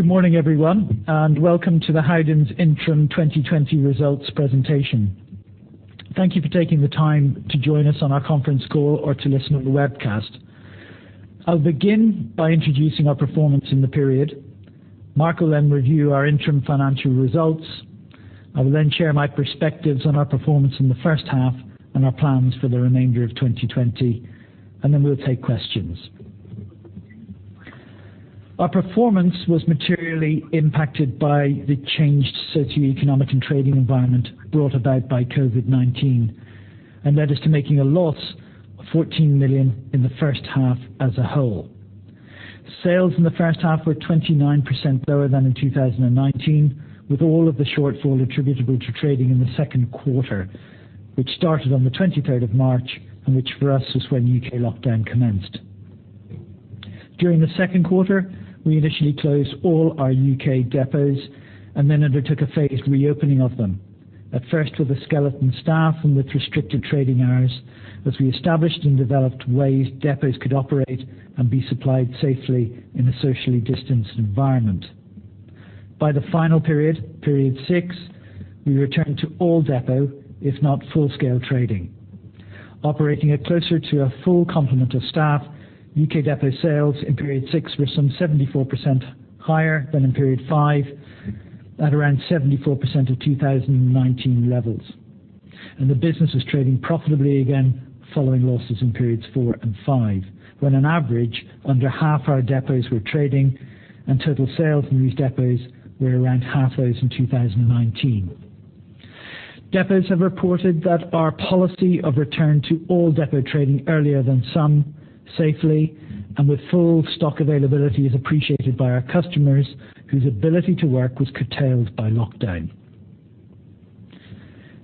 Good morning, everyone, and welcome to the Howdens Interim 2020 Results presentation. Thank you for taking the time to join us on our conference call or to listen on the webcast. I'll begin by introducing our performance in the period. Mark will then review our interim financial results. I will then share my perspectives on our performance in the first half and our plans for the remainder of 2020, and then we'll take questions. Our performance was materially impacted by the changed socioeconomic and trading environment brought about by COVID-19, and led us to making a loss of 14 million in the first half as a whole. Sales in the first half were 29% lower than in 2019, with all of the shortfall attributable to trading in the second quarter, which started on the 23rd of March, and which for us is when U.K. lockdown commenced. During the second quarter, we initially closed all our U.K. depots and then undertook a phased reopening of them. At first with a skeleton staff and with restricted trading hours, as we established and developed ways depots could operate and be supplied safely in a socially distanced environment. By the final period six, we returned to all depot, if not full-scale trading. Operating at closer to a full complement of staff, U.K. depot sales in period six were some 74% higher than in period five, at around 74% of 2019 levels, and the business was trading profitably again following losses in periods four and five, when on average, under half our depots were trading and total sales in these depots were around half those in 2019. Depots have reported that our policy of return to all depot trading earlier than some safely and with full stock availability is appreciated by our customers, whose ability to work was curtailed by lockdown.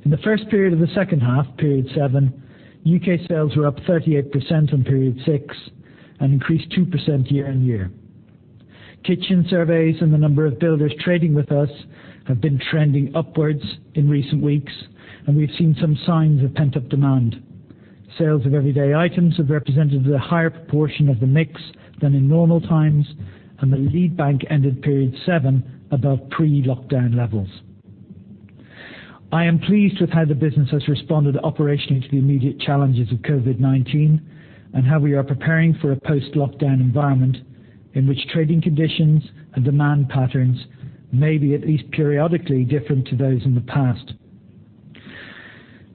In the first period of the second half, period seven, U.K. sales were up 38% on period six and increased 2% year-on-year. Kitchen surveys and the number of builders trading with us have been trending upwards in recent weeks. We have seen some signs of pent-up demand. Sales of everyday items have represented a higher proportion of the mix than in normal times. The lead bank ended period seven above pre-lockdown levels. I am pleased with how the business has responded operationally to the immediate challenges of COVID-19 and how we are preparing for a post-lockdown environment in which trading conditions and demand patterns may be at least periodically different to those in the past.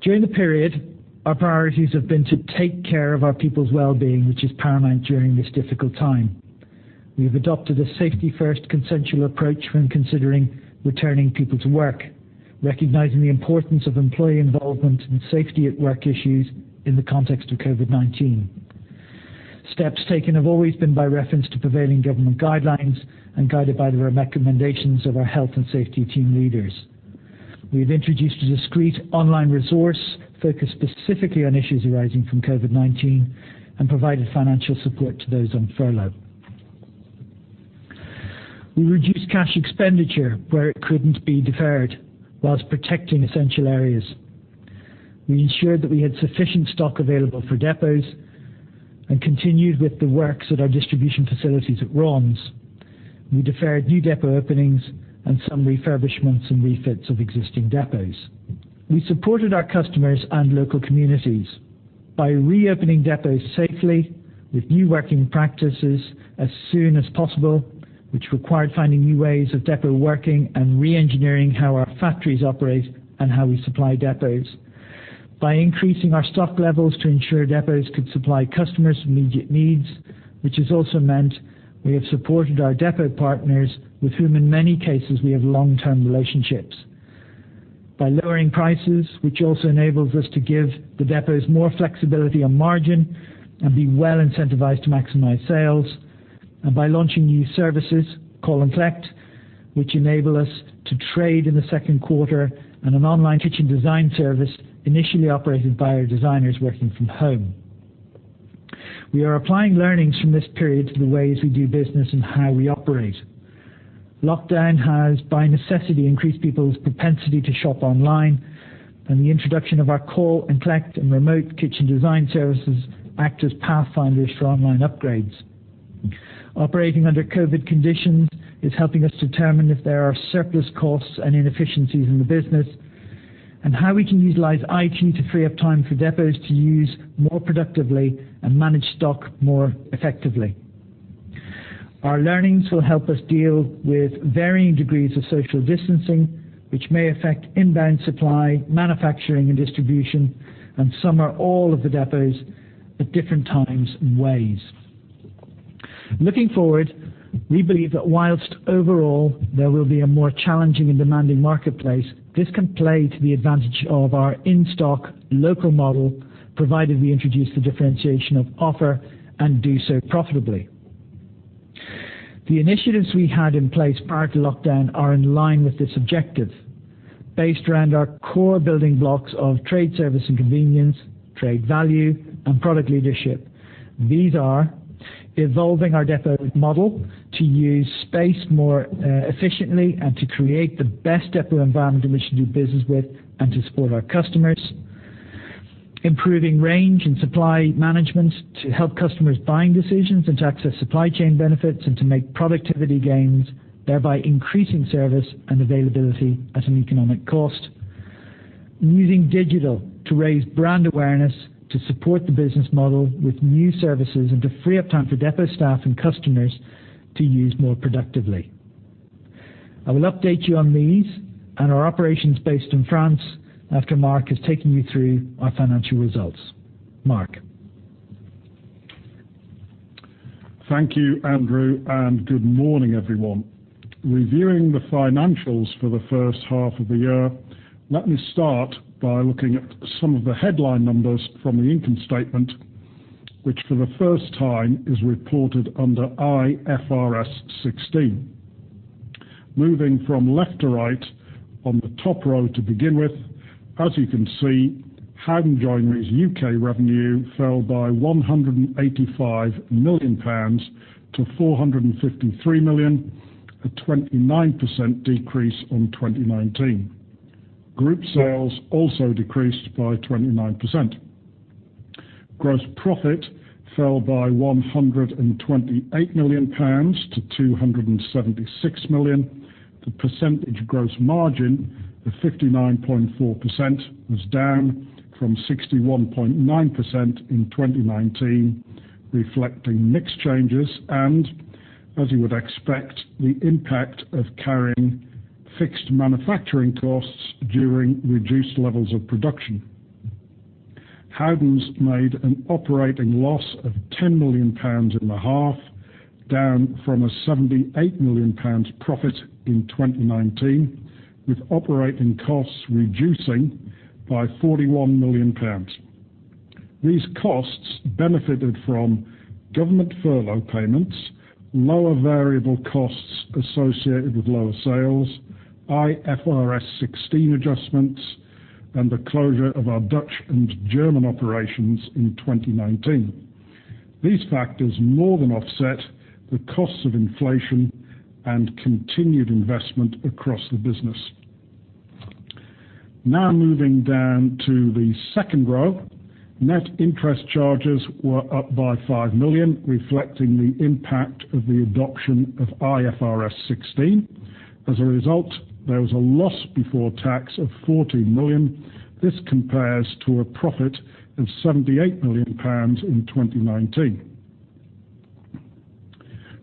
During the period, our priorities have been to take care of our people's well-being, which is paramount during this difficult time. We have adopted a safety-first consensual approach when considering returning people to work, recognizing the importance of employee involvement and safety at work issues in the context of COVID-19. Steps taken have always been by reference to prevailing government guidelines and guided by the recommendations of our health and safety team leaders. We have introduced a discrete online resource focused specifically on issues arising from COVID-19 and provided financial support to those on furlough. We reduced cash expenditure where it couldn't be deferred while protecting essential areas. We ensured that we had sufficient stock available for depots and continued with the works at our distribution facilities at Raunds. We deferred new depot openings and some refurbishments and refits of existing depots. We supported our customers and local communities by reopening depots safely with new working practices as soon as possible, which required finding new ways of depot working and re-engineering how our factories operate and how we supply depots. By increasing our stock levels to ensure depots could supply customers' immediate needs, which has also meant we have supported our depot partners with whom in many cases we have long-term relationships. By lowering prices, which also enables us to give the depots more flexibility on margin and be well incentivized to maximize sales, and by launching new services, Call and Collect, which enable us to trade in the second quarter and an online kitchen design service initially operated by our designers working from home. We are applying learnings from this period to the ways we do business and how we operate. Lockdown has, by necessity, increased people's propensity to shop online, and the introduction of our Call and Collect and remote kitchen design services act as pathfinders for online upgrades. Operating under COVID conditions is helping us determine if there are surplus costs and inefficiencies in the business and how we can utilize IT to free up time for depots to use more productively and manage stock more effectively. Our learnings will help us deal with varying degrees of social distancing, which may affect inbound supply, manufacturing, and distribution, and some or all of the depots at different times and ways. Looking forward, we believe that while overall there will be a more challenging and demanding marketplace, this can play to the advantage of our in-stock local model, provided we introduce the differentiation of offer and do so profitably. The initiatives we had in place prior to lockdown are in line with this objective, based around our core building blocks of trade service and convenience, trade value, and product leadership. These are evolving our depot model to use space more efficiently and to create the best depot environment in which to do business with and to support our customers. Improving range and supply management to help customers' buying decisions and to access supply chain benefits and to make productivity gains, thereby increasing service and availability at an economic cost. Using digital to raise brand awareness to support the business model with new services and to free up time for depot staff and customers to use more productively. I will update you on these and our operations based in France after Mark has taken you through our financial results. Mark? Thank you, Andrew, and good morning, everyone. Reviewing the financials for the first half of the year, let me start by looking at some of the headline numbers from the income statement, which for the first time is reported under IFRS 16. Moving from left to right on the top row to begin with, as you can see, Howden Joinery's U.K. revenue fell by 185 million pounds to 453 million, a 29% decrease on 2019. Group sales also decreased by 29%. Gross profit fell by 128 million pounds to 276 million. The percentage gross margin of 59.4% was down from 61.9% in 2019, reflecting mix changes and, as you would expect, the impact of carrying fixed manufacturing costs during reduced levels of production. Howdens made an operating loss of 10 million pounds in the half, down from a 78 million pounds profit in 2019, with operating costs reducing by 41 million pounds. These costs benefited from government furlough payments, lower variable costs associated with lower sales, IFRS 16 adjustments, and the closure of our Dutch and German operations in 2019. These factors more than offset the costs of inflation and continued investment across the business. Moving down to the second row, net interest charges were up by 5 million, reflecting the impact of the adoption of IFRS 16. As a result, there was a loss before tax of 14 million. This compares to a profit of 78 million pounds in 2019.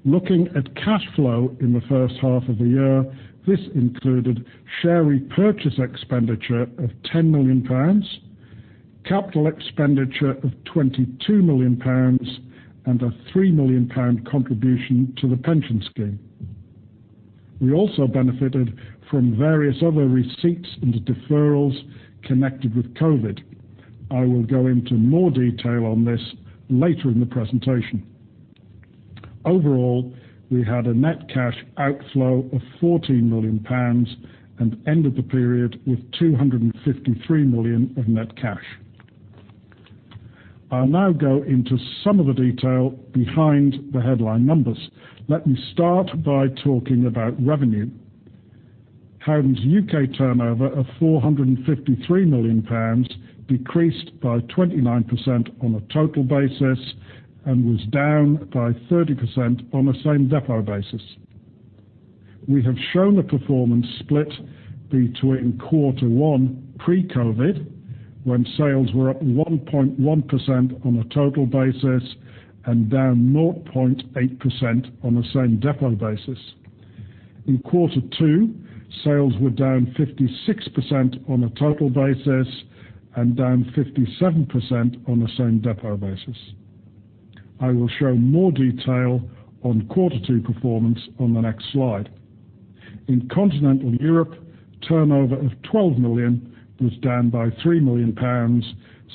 Looking at cash flow in the first half of the year, this included share repurchase expenditure of 10 million pounds, capital expenditure of 22 million pounds, and a 3 million pound contribution to the pension scheme. We also benefited from various other receipts and deferrals connected with COVID. I will go into more detail on this later in the presentation. Overall, we had a net cash outflow of 14 million pounds and ended the period with 253 million of net cash. I'll now go into some of the detail behind the headline numbers. Let me start by talking about revenue. Howdens UK turnover of 453 million pounds decreased by 29% on a total basis and was down by 30% on a same depot basis. We have shown the performance split between quarter one pre-COVID, when sales were up 1.1% on a total basis and down 0.8% on a same depot basis. In quarter two, sales were down 56% on a total basis and down 57% on a same depot basis. I will show more detail on quarter two performance on the next slide. In continental Europe, turnover of 12 million was down by 3 million pounds.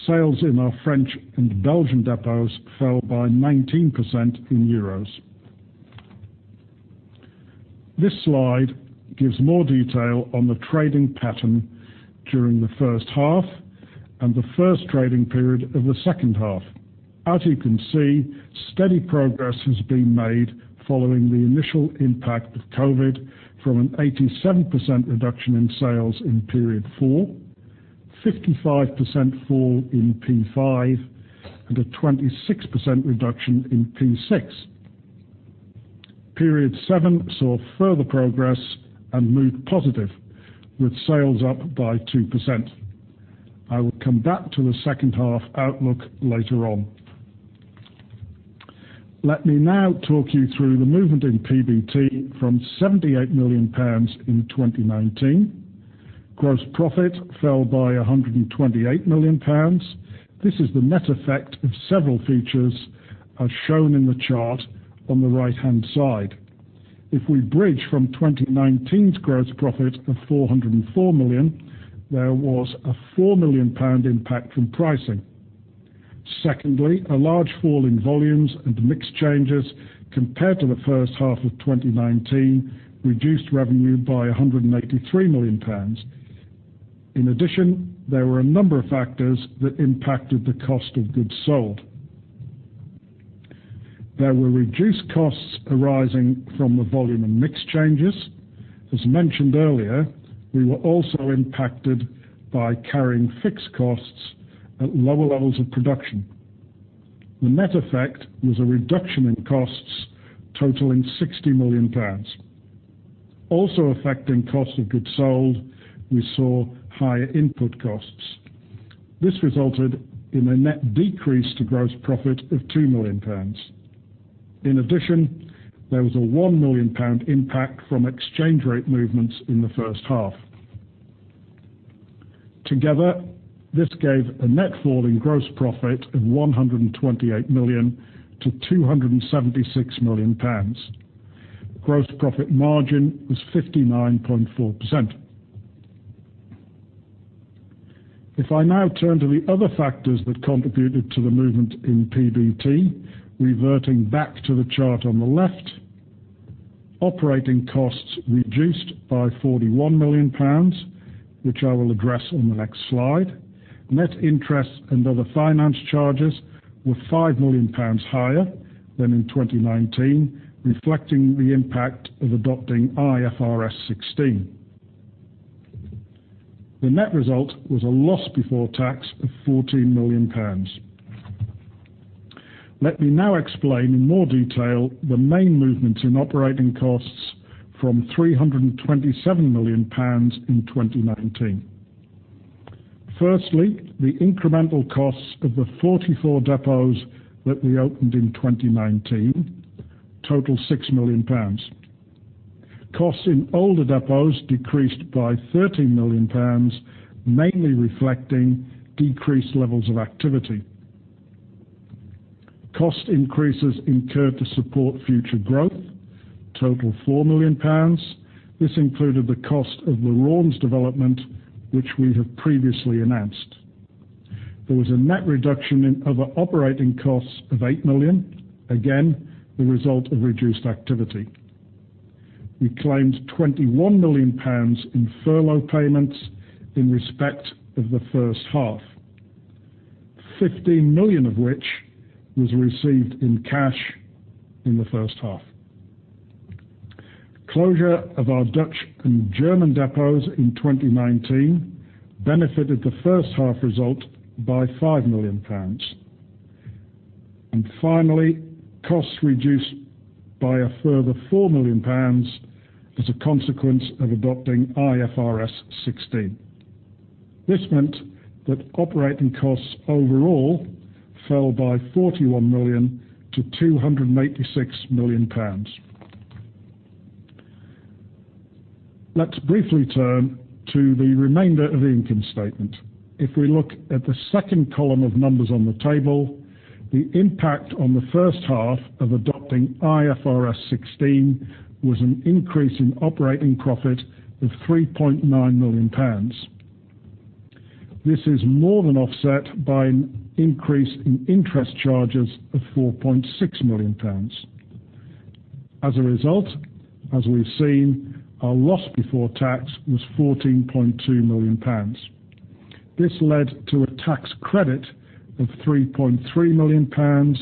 Sales in our French and Belgian depots fell by 19% in EUR. This slide gives more detail on the trading pattern during the first half and the first trading period of the second half. As you can see, steady progress has been made following the initial impact of COVID from an 87% reduction in sales in period four, 55% fall in P5, and a 26% reduction in P6. Period seven saw further progress and moved positive, with sales up by 2%. I will come back to the second half outlook later on. Let me now talk you through the movement in PBT from 78 million pounds in 2019. Gross profit fell by 128 million pounds. This is the net effect of several features as shown in the chart on the right-hand side. If we bridge from 2019's gross profit of 404 million, there was a 4 million pound impact from pricing. Secondly, a large fall in volumes and mix changes compared to the first half of 2019 reduced revenue by 183 million pounds. In addition, there were a number of factors that impacted the cost of goods sold. There were reduced costs arising from the volume and mix changes. As mentioned earlier, we were also impacted by carrying fixed costs at lower levels of production. The net effect was a reduction in costs totaling 60 million pounds. Affecting cost of goods sold, we saw higher input costs. This resulted in a net decrease to gross profit of 2 million pounds. In addition, there was a 1 million pound impact from exchange rate movements in the first half. Together, this gave a net fall in gross profit of 128 million-276 million pounds. Gross profit margin was 59.4%. If I now turn to the other factors that contributed to the movement in PBT, reverting back to the chart on the left, operating costs reduced by 41 million pounds, which I will address on the next slide. Net interest and other finance charges were 5 million pounds higher than in 2019, reflecting the impact of adopting IFRS 16. The net result was a loss before tax of 14 million pounds. Let me now explain in more detail the main movements in operating costs from 327 million pounds in 2019. Firstly, the incremental costs of the 44 depots that we opened in 2019 total 6 million pounds. Costs in older depots decreased by 13 million pounds, mainly reflecting decreased levels of activity. Cost increases incurred to support future growth total 4 million pounds. This included the cost of the Raunds development, which we have previously announced. There was a net reduction in other operating costs of 8 million, again, the result of reduced activity. We claimed 21 million pounds in furlough payments in respect of the first half, 15 million of which was received in cash in the first half. Closure of our Dutch and German depots in 2019 benefited the first half result by 5 million pounds. Finally, costs reduced by a further 4 million pounds as a consequence of adopting IFRS 16. This meant that operating costs overall fell by 41 million to 286 million pounds. Let's briefly turn to the remainder of the income statement. If we look at the second column of numbers on the table, the impact on the first half of adopting IFRS 16 was an increase in operating profit of 3.9 million pounds. This is more than offset by an increase in interest charges of 4.6 million pounds. As a result, as we've seen, our loss before tax was 14.2 million pounds. This led to a tax credit of 3.3 million pounds,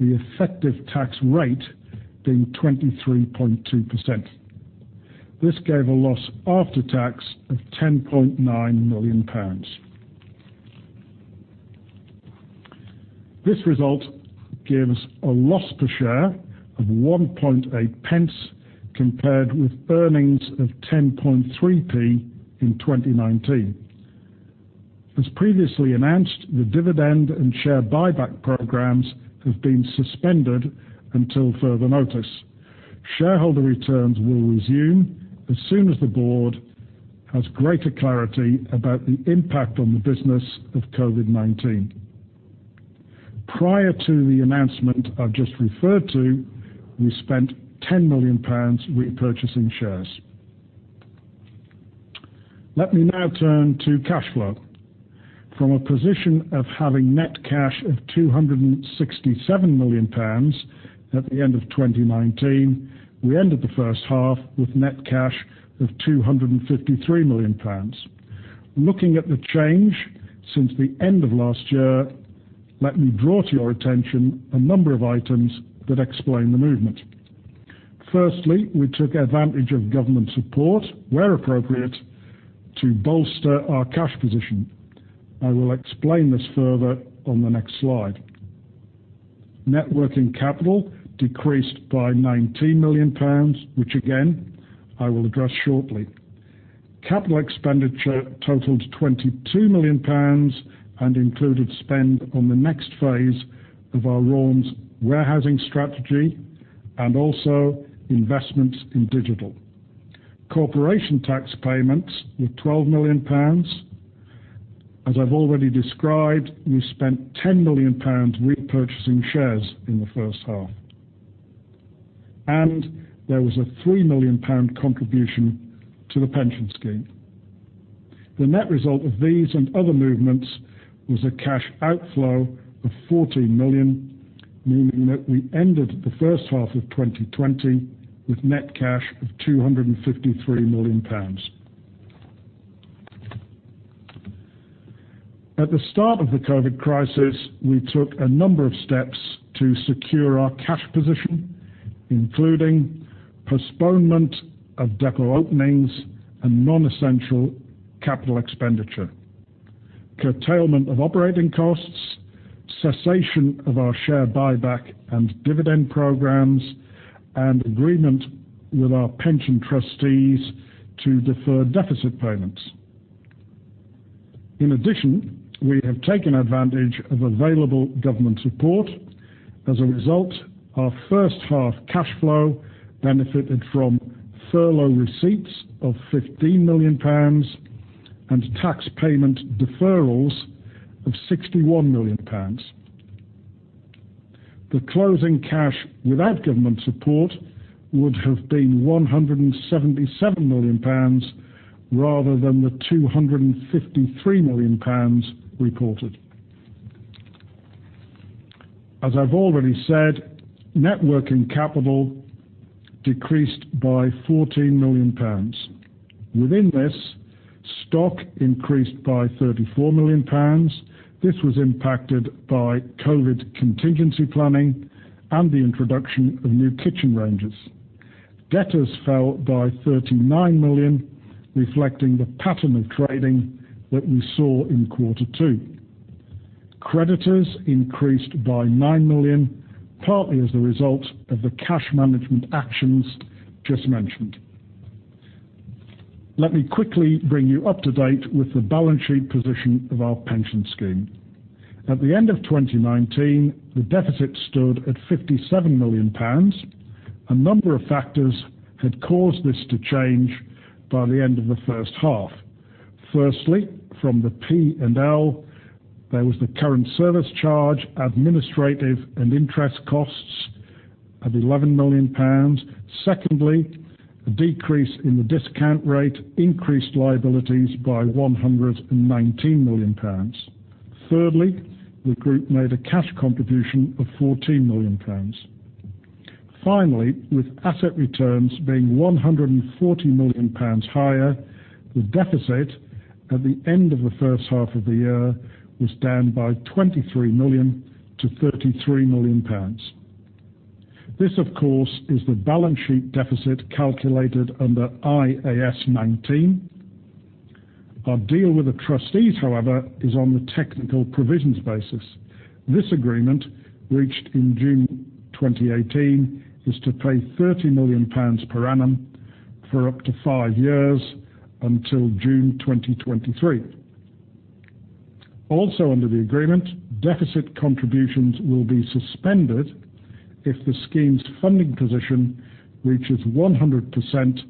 the effective tax rate being 23.2%. This gave a loss after tax of 10.9 million pounds. This result gives a loss per share of 0.018, compared with earnings of 0.103 in 2019. As previously announced, the dividend and share buyback programs have been suspended until further notice. Shareholder returns will resume as soon as the board has greater clarity about the impact on the business of COVID-19. Prior to the announcement I've just referred to, we spent 10 million pounds repurchasing shares. Let me now turn to cash flow. From a position of having net cash of 267 million pounds at the end of 2019, we ended the first half with net cash of 253 million pounds. Looking at the change since the end of last year, let me draw to your attention a number of items that explain the movement. Firstly, we took advantage of government support where appropriate to bolster our cash position. I will explain this further on the next slide. Net working capital decreased by 19 million pounds, which again, I will address shortly. Capital expenditure totaled 22 million pounds and included spend on the next phase of our Raunds warehousing strategy and also investments in digital. Corporation tax payments were 12 million pounds. As I've already described, we spent 10 million pounds repurchasing shares in the first half. There was a 3 million pound contribution to the pension scheme. The net result of these and other movements was a cash outflow of 14 million, meaning that we ended the first half of 2020 with net cash of 253 million pounds. At the start of the COVID crisis, we took a number of steps to secure our cash position, including postponement of depot openings and non-essential capital expenditure, curtailment of operating costs, cessation of our share buyback and dividend programs, and agreement with our pension trustees to defer deficit payments. In addition, we have taken advantage of available government support. As a result, our first half cash flow benefited from furlough receipts of 15 million pounds and tax payment deferrals of 61 million pounds. The closing cash without government support would have been 177 million pounds rather than the 253 million pounds reported. As I've already said, net working capital decreased by 14 million pounds. Within this, stock increased by 34 million pounds. This was impacted by COVID contingency planning and the introduction of new kitchen ranges. Debtors fell by 39 million, reflecting the pattern of trading that we saw in quarter two. Creditors increased by 9 million, partly as a result of the cash management actions just mentioned. Let me quickly bring you up to date with the balance sheet position of our pension scheme. At the end of 2019, the deficit stood at 57 million pounds. A number of factors had caused this to change by the end of the first half. Firstly, from the P&L, there was the current service charge, administrative and interest costs of 11 million pounds. Secondly, a decrease in the discount rate increased liabilities by 119 million pounds. Thirdly, the group made a cash contribution of 14 million pounds. Finally, with asset returns being 140 million pounds higher, the deficit at the end of the first half of the year was down by 23 million to 33 million pounds. This, of course, is the balance sheet deficit calculated under IAS 19. Our deal with the trustees, however, is on the technical provisions basis. This agreement, reached in June 2018, is to pay 30 million pounds per annum for up to five years until June 2023. Also under the agreement, deficit contributions will be suspended if the scheme's funding position reaches 100%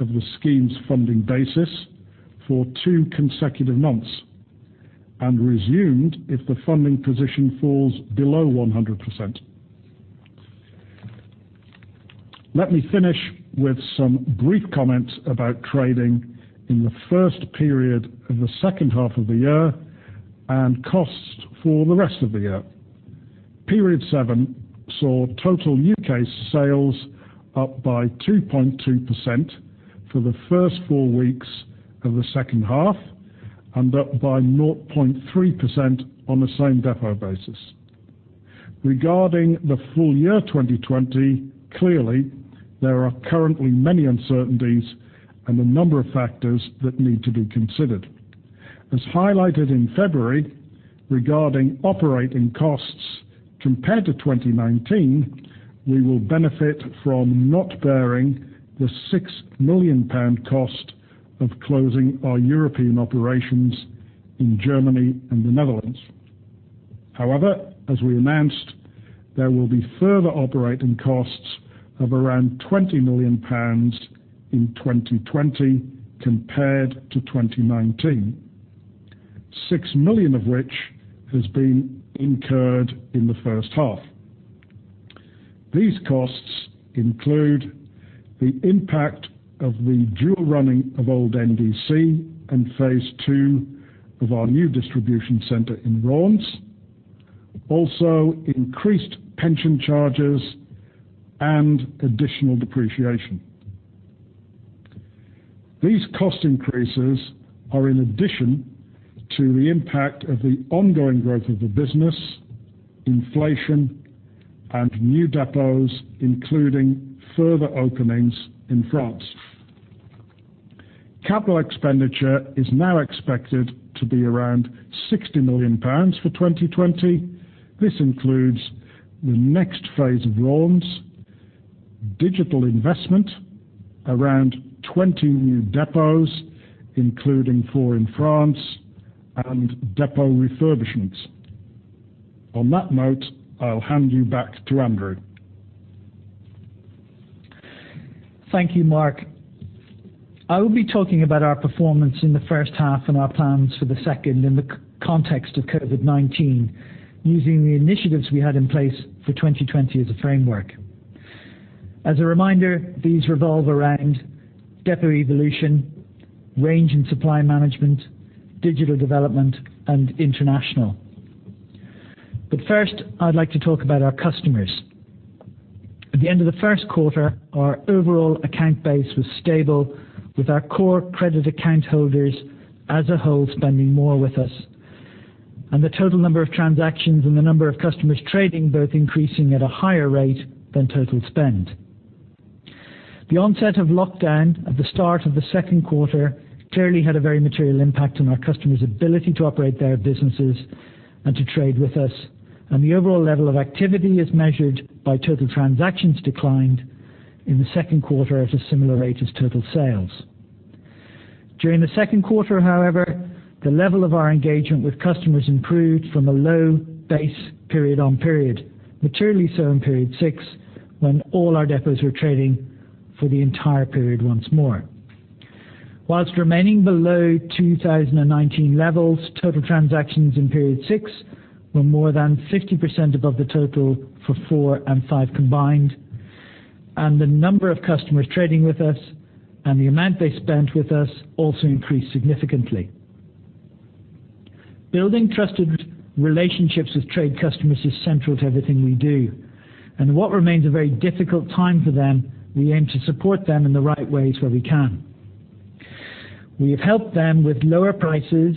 of the scheme's funding basis for two consecutive months and resumed if the funding position falls below 100%. Let me finish with some brief comments about trading in the first period of the second half of the year and costs for the rest of the year. Period seven saw total U.K. sales up by 2.2% for the first four weeks of the second half and up by 0.3% on a same depot basis. Regarding the full year 2020, clearly, there are currently many uncertainties and a number of factors that need to be considered. As highlighted in February, regarding operating costs compared to 2019, we will benefit from not bearing the 6 million pound cost of closing our European operations in Germany and the Netherlands. As we announced, there will be further operating costs of around 20 million pounds in 2020 compared to 2019. 6 million of which has been incurred in the first half. These costs include the impact of the dual running of old NDC and phase two of our new distribution center in Raunds, also increased pension charges and additional depreciation. These cost increases are in addition to the impact of the ongoing growth of the business, inflation, and new depots, including further openings in France. Capital expenditure is now expected to be around 60 million pounds for 2020. This includes the next phase of Raunds, digital investment, around 20 new depots, including four in France, and depot refurbishments. On that note, I'll hand you back to Andrew. Thank you, Mark. I will be talking about our performance in the first half and our plans for the second in the context of COVID-19, using the initiatives we had in place for 2020 as a framework. As a reminder, these revolve around depot evolution, range and supply management, digital development, and international. First, I'd like to talk about our customers. At the end of the first quarter, our overall account base was stable with our core credit account holders as a whole spending more with us, and the total number of transactions and the number of customers trading both increasing at a higher rate than total spend. The onset of lockdown at the start of the second quarter clearly had a very material impact on our customers' ability to operate their businesses and to trade with us. The overall level of activity is measured by total transactions declined in the second quarter at a similar rate as total sales. During the second quarter, however, the level of our engagement with customers improved from a low base period on period, materially so in period 6 when all our depots were trading for the entire period once more. Remaining below 2019 levels, total transactions in period six were more than 50% above the total for four and five combined, and the number of customers trading with us and the amount they spent with us also increased significantly. Building trusted relationships with trade customers is central to everything we do. In what remains a very difficult time for them, we aim to support them in the right ways where we can. We have helped them with lower prices.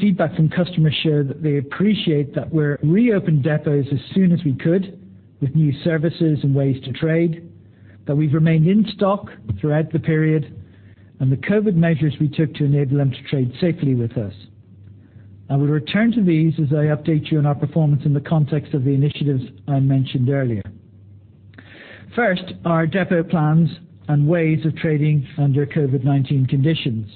Feedback from customers show that they appreciate that we reopened depots as soon as we could with new services and ways to trade, that we've remained in stock throughout the period, and the COVID-19 measures we took to enable them to trade safely with us. I will return to these as I update you on our performance in the context of the initiatives I mentioned earlier. First, our depot plans and ways of trading under COVID-19 conditions.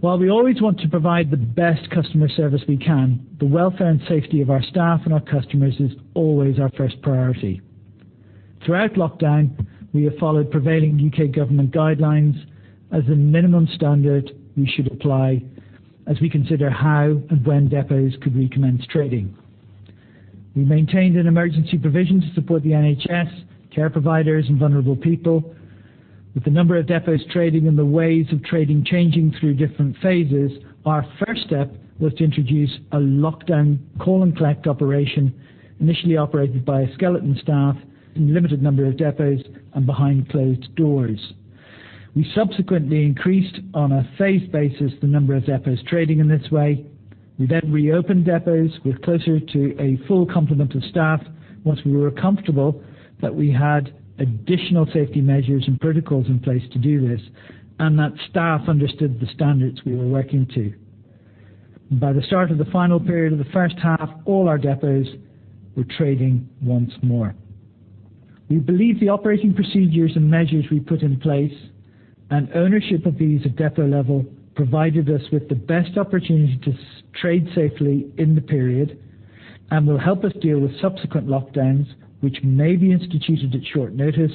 While we always want to provide the best customer service we can, the welfare and safety of our staff and our customers is always our first priority. Throughout lockdown, we have followed prevailing U.K. government guidelines as the minimum standard we should apply as we consider how and when depots could recommence trading. We maintained an emergency provision to support the NHS, care providers, and vulnerable people. With the number of depots trading and the ways of trading changing through different phases, our first step was to introduce a lockdown Call and Collect operation, initially operated by a skeleton staff in a limited number of depots and behind closed doors. We subsequently increased on a phased basis the number of depots trading in this way. We reopened depots with closer to a full complement of staff once we were comfortable that we had additional safety measures and protocols in place to do this, and that staff understood the standards we were working to. By the start of the final period of the first half, all our depots were trading once more. We believe the operating procedures and measures we put in place and ownership of these at depot level provided us with the best opportunity to trade safely in the period and will help us deal with subsequent lockdowns, which may be instituted at short notice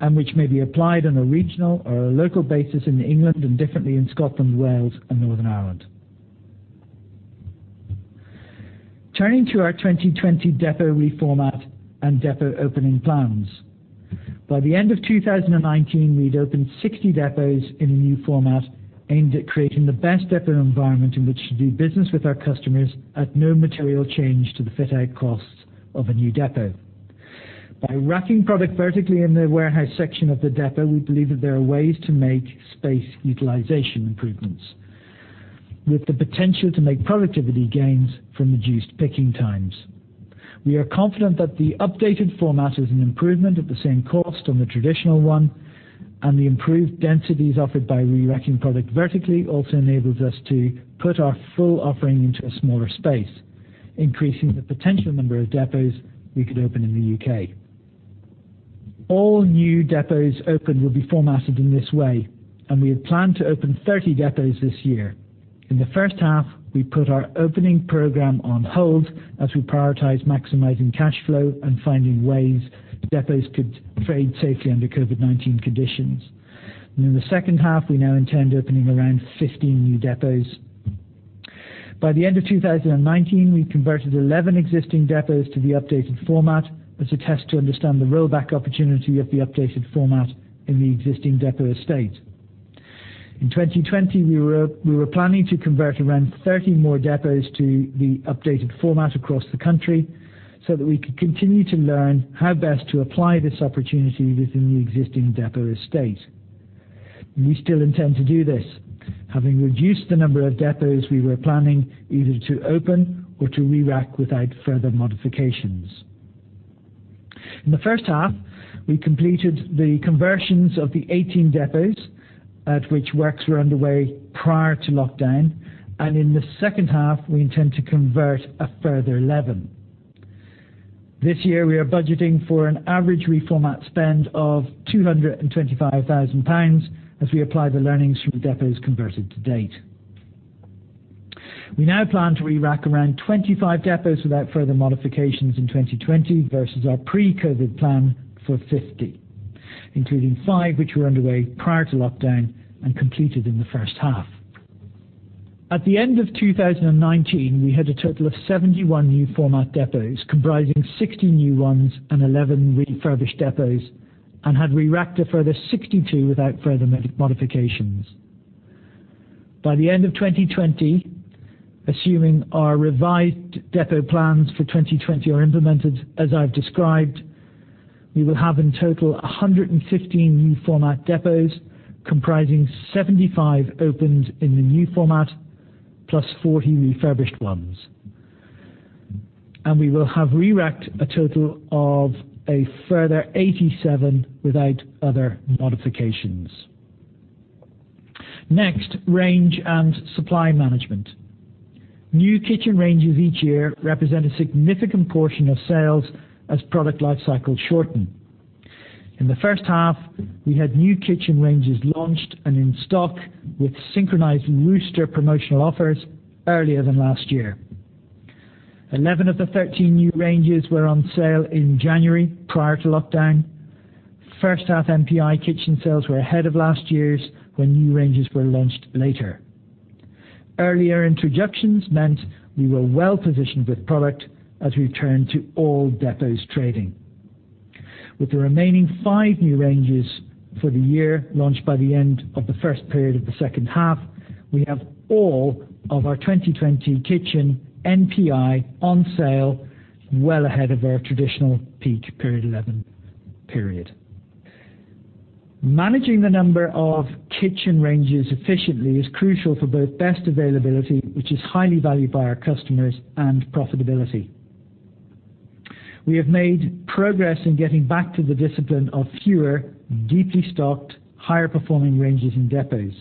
and which may be applied on a regional or a local basis in England and differently in Scotland, Wales, and Northern Ireland. Turning to our 2020 depot reformat and depot opening plans. By the end of 2019, we'd opened 60 depots in a new format aimed at creating the best depot environment in which to do business with our customers at no material change to the fit out costs of a new depot. By racking product vertically in the warehouse section of the depot, we believe that there are ways to make space utilization improvements with the potential to make productivity gains from reduced picking times. We are confident that the updated format is an improvement at the same cost on the traditional one, and the improved densities offered by re-racking product vertically also enables us to put our full offering into a smaller space, increasing the potential number of depots we could open in the U.K. All new depots opened will be formatted in this way, and we had planned to open 30 depots this year. In the first half, we put our opening program on hold as we prioritized maximizing cash flow and finding ways depots could trade safely under COVID-19 conditions. In the second half, we now intend opening around 15 new depots. By the end of 2019, we converted 11 existing depots to the updated format as a test to understand the rollback opportunity of the updated format in the existing depot estate. In 2020, we were planning to convert around 30 more depots to the updated format across the country so that we could continue to learn how best to apply this opportunity within the existing depot estate. We still intend to do this, having reduced the number of depots we were planning either to open or to re-rack without further modifications. In the first half, we completed the conversions of the 18 depots at which works were underway prior to lockdown, and in the second half, we intend to convert a further 11. This year, we are budgeting for an average reformat spend of 225,000 pounds as we apply the learnings from depots converted to date. We now plan to re-rack around 25 depots without further modifications in 2020 versus our pre-COVID plan for 50, including five which were underway prior to lockdown and completed in the first half. At the end of 2019, we had a total of 71 new format depots comprising 60 new ones and 11 refurbished depots and had re-racked a further 62 without further modifications. The end of 2020, assuming our revised depot plans for 2020 are implemented as I've described, we will have in total 115 new format depots comprising 75 opened in the new format, plus 40 refurbished ones. We will have re-racked a total of a further 87 without other modifications. Next, range and supply management. New kitchen ranges each year represent a significant portion of sales as product life cycles shorten. In the first half, we had new kitchen ranges launched and in stock with synchronized Rooster promotional offers earlier than last year. 11 of the 13 new ranges were on sale in January prior to lockdown. First half NPI kitchen sales were ahead of last year's, when new ranges were launched later. Earlier introductions meant we were well-positioned with product as we return to all depots trading. With the remaining five new ranges for the year launched by the end of the first period of the second half, we have all of our 2020 kitchen NPI on sale well ahead of our traditional peak period 11 period. Managing the number of kitchen ranges efficiently is crucial for both best availability, which is highly valued by our customers, and profitability. We have made progress in getting back to the discipline of fewer, deeply stocked, higher performing ranges in depots.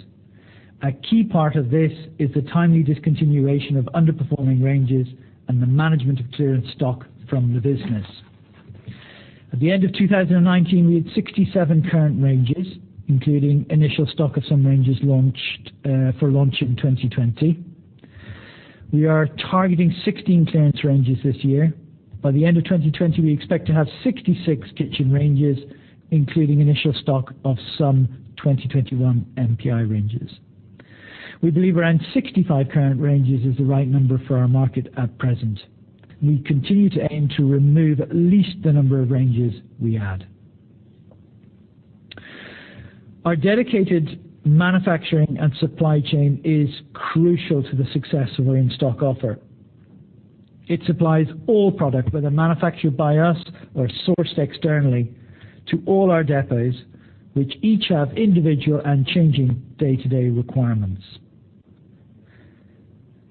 A key part of this is the timely discontinuation of underperforming ranges and the management of clearance stock from the business. At the end of 2019, we had 67 current ranges, including initial stock of some ranges for launch in 2020. We are targeting 16 clearance ranges this year. By the end of 2020, we expect to have 66 kitchen ranges, including initial stock of some 2021 NPI ranges. We believe around 65 current ranges is the right number for our market at present. We continue to aim to remove at least the number of ranges we add. Our dedicated manufacturing and supply chain is crucial to the success of our in-stock offer. It supplies all product, whether manufactured by us or sourced externally, to all our depots, which each have individual and changing day-to-day requirements.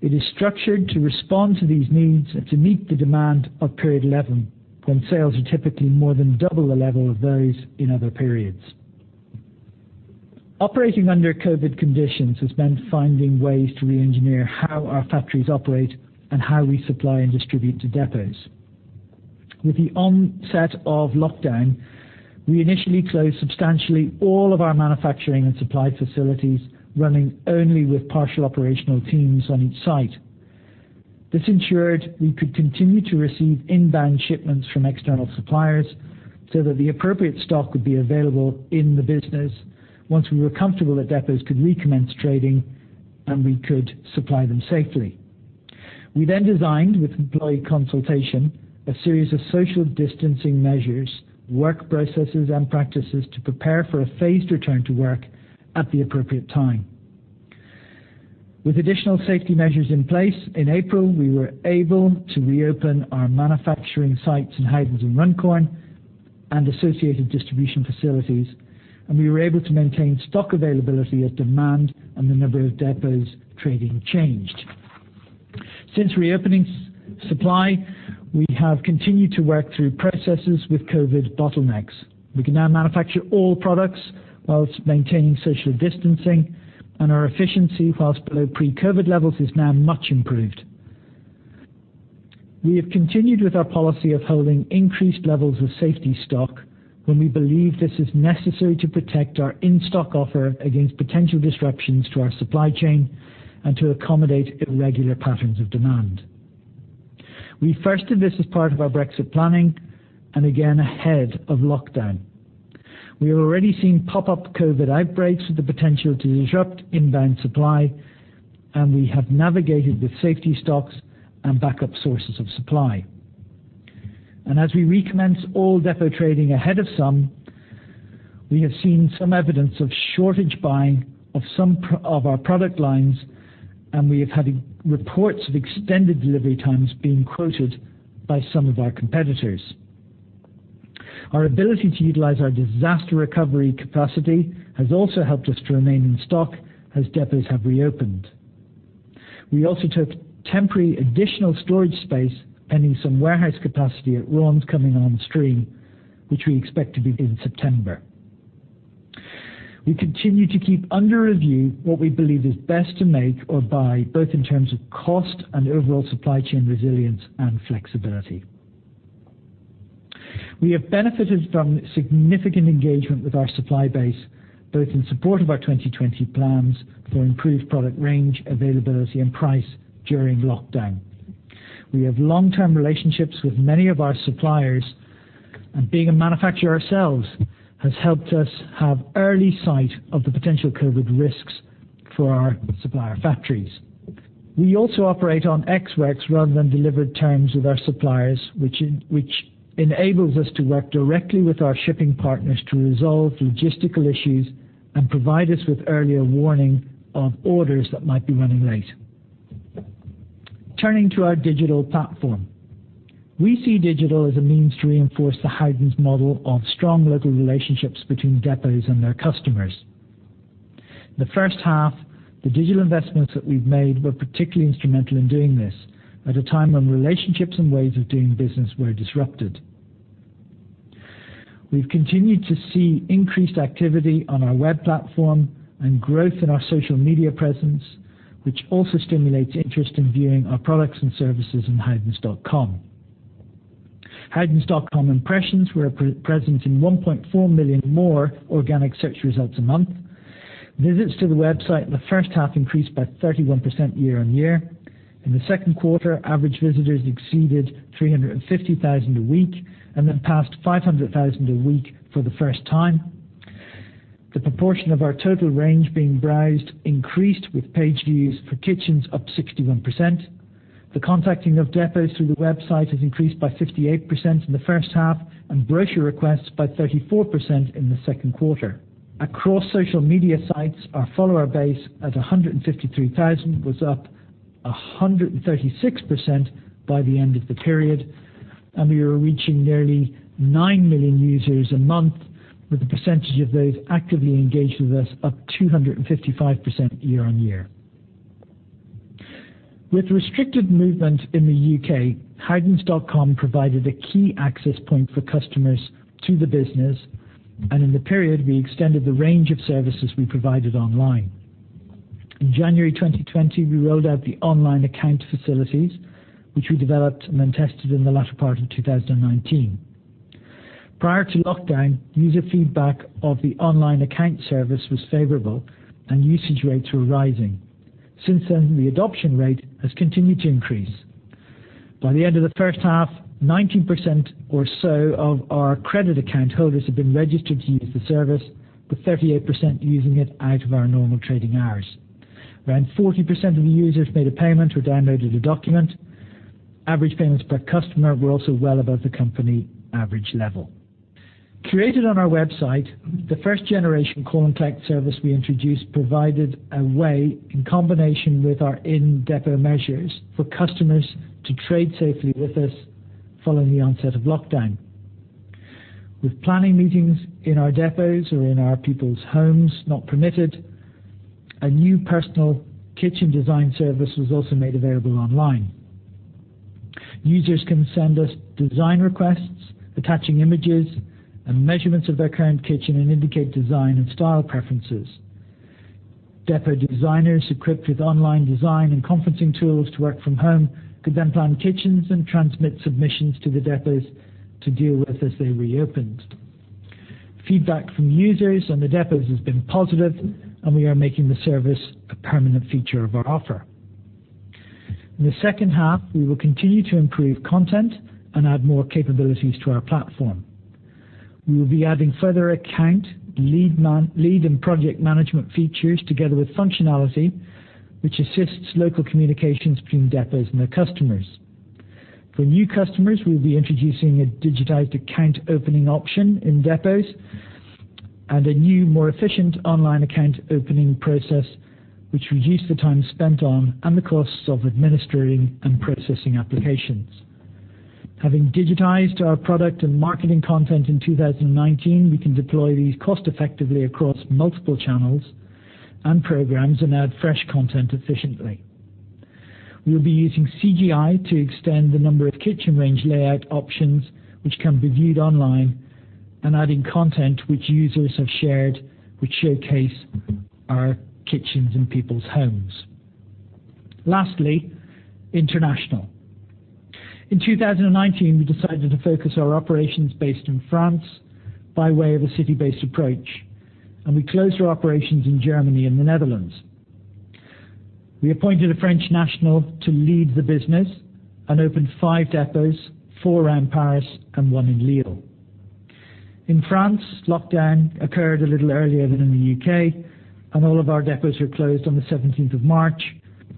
It is structured to respond to these needs and to meet the demand of period 11, when sales are typically more than double the level of those in other periods. Operating under COVID conditions has meant finding ways to re-engineer how our factories operate and how we supply and distribute to depots. With the onset of lockdown, we initially closed substantially all of our manufacturing and supply facilities, running only with partial operational teams on each site. This ensured we could continue to receive inbound shipments from external suppliers so that the appropriate stock would be available in the business once we were comfortable that depots could recommence trading and we could supply them safely. We then designed, with employee consultation, a series of social distancing measures, work processes, and practices to prepare for a phased return to work at the appropriate time. With additional safety measures in place, in April, we were able to reopen our manufacturing sites in Howdens in Runcorn and associated distribution facilities, and we were able to maintain stock availability as demand and the number of depots trading changed. Since reopening supply, we have continued to work through processes with COVID bottlenecks. We can now manufacture all products while maintaining social distancing, and our efficiency, while below pre-COVID levels, is now much improved. We have continued with our policy of holding increased levels of safety stock when we believe this is necessary to protect our in-stock offer against potential disruptions to our supply chain and to accommodate irregular patterns of demand. We first did this as part of our Brexit planning and again ahead of lockdown. We have already seen pop-up COVID outbreaks with the potential to disrupt inbound supply, and we have navigated with safety stocks and backup sources of supply. As we recommence all depot trading ahead of summer, we have seen some evidence of shortage buying of some of our product lines, and we have had reports of extended delivery times being quoted by some of our competitors. Our ability to utilize our disaster recovery capacity has also helped us to remain in stock as depots have reopened. We also took temporary additional storage space, pending some warehouse capacity at Raunds coming on stream, which we expect to be in September. We continue to keep under review what we believe is best to make or buy, both in terms of cost and overall supply chain resilience and flexibility. We have benefited from significant engagement with our supply base, both in support of our 2020 plans for improved product range, availability, and price during lockdown. We have long-term relationships with many of our suppliers, and being a manufacturer ourselves has helped us have early sight of the potential COVID risks for our supplier factories. We also operate on ex works rather than delivered terms with our suppliers, which enables us to work directly with our shipping partners to resolve logistical issues and provide us with earlier warning of orders that might be running late. Turning to our digital platform. We see digital as a means to reinforce the Howdens model of strong local relationships between depots and their customers. In the first half, the digital investments that we've made were particularly instrumental in doing this at a time when relationships and ways of doing business were disrupted. We've continued to see increased activity on our web platform and growth in our social media presence, which also stimulates interest in viewing our products and services on howdens.com. Howdens.com impressions were present in 1.4 million more organic search results a month. Visits to the website in the first half increased by 31% year-on-year. In the second quarter, average visitors exceeded 350,000 a week and then passed 500,000 a week for the first time. The proportion of our total range being browsed increased with page views for kitchens up 61%. The contacting of depots through the website has increased by 58% in the first half and brochure requests by 34% in the second quarter. Across social media sites, our follower base at 153,000 was up 136% by the end of the period, and we were reaching nearly 9 million users a month, with the percentage of those actively engaged with us up 255% year-on-year. With restricted movement in the U.K., howdens.com provided a key access point for customers to the business, and in the period, we extended the range of services we provided online. In January 2020, we rolled out the online account facilities, which we developed and then tested in the latter part of 2019. Prior to lockdown, user feedback of the online account service was favorable and usage rates were rising. Since then, the adoption rate has continued to increase. By the end of the first half, 19% or so of our credit account holders have been registered to use the service, with 38% using it out of our normal trading hours. Around 40% of users made a payment or downloaded a document. Average payments per customer were also well above the company average level. Created on our website, the first-generation Call and Collect service we introduced provided a way, in combination with our in-depot measures, for customers to trade safely with us following the onset of lockdown. With planning meetings in our depots or in our people's homes not permitted, a new personal kitchen design service was also made available online. Users can send us design requests, attaching images and measurements of their current kitchen, and indicate design and style preferences. Depot designers, equipped with online design and conferencing tools to work from home, could then plan kitchens and transmit submissions to the depots to deal with as they reopened. Feedback from users and the depots has been positive, and we are making the service a permanent feature of our offer. In the second half, we will continue to improve content and add more capabilities to our platform. We will be adding further account, lead, and project management features together with functionality, which assists local communications between depots and their customers. For new customers, we'll be introducing a digitized account opening option in depots and a new, more efficient online account opening process which reduce the time spent on and the costs of administering and processing applications. Having digitized our product and marketing content in 2019, we can deploy these cost-effectively across multiple channels and programs and add fresh content efficiently. We will be using CGI to extend the number of kitchen range layout options which can be viewed online and adding content which users have shared which showcase our kitchens in people's homes. Lastly, international. In 2019, we decided to focus our operations based in France by way of a city-based approach, and we closed our operations in Germany and the Netherlands. We appointed a French national to lead the business and opened five depots, four around Paris and one in Lille. In France, lockdown occurred a little earlier than in the U.K., and all of our depots were closed on the 17th of March,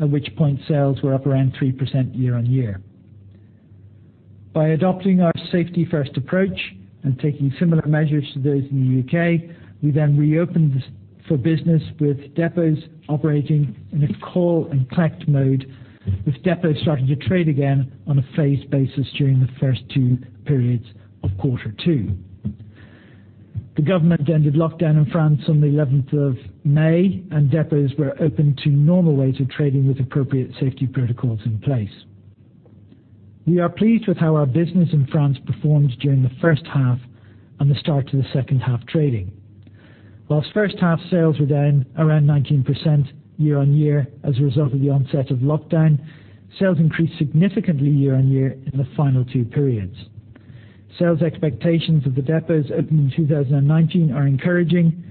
at which point sales were up around 3% year-on-year. By adopting our safety-first approach and taking similar measures to those in the U.K., we then reopened for business with depots operating in a Call and Collect mode, with depots starting to trade again on a phased basis during the first two periods of quarter two. The government ended lockdown in France on the 11th of May, and depots were open to normal ways of trading with appropriate safety protocols in place. We are pleased with how our business in France performed during the first half and the start to the second half trading. First half sales were down around 19% year-on-year as a result of the onset of lockdown, sales increased significantly year-on-year in the final two periods. Sales expectations of the depots opened in 2019 are encouraging,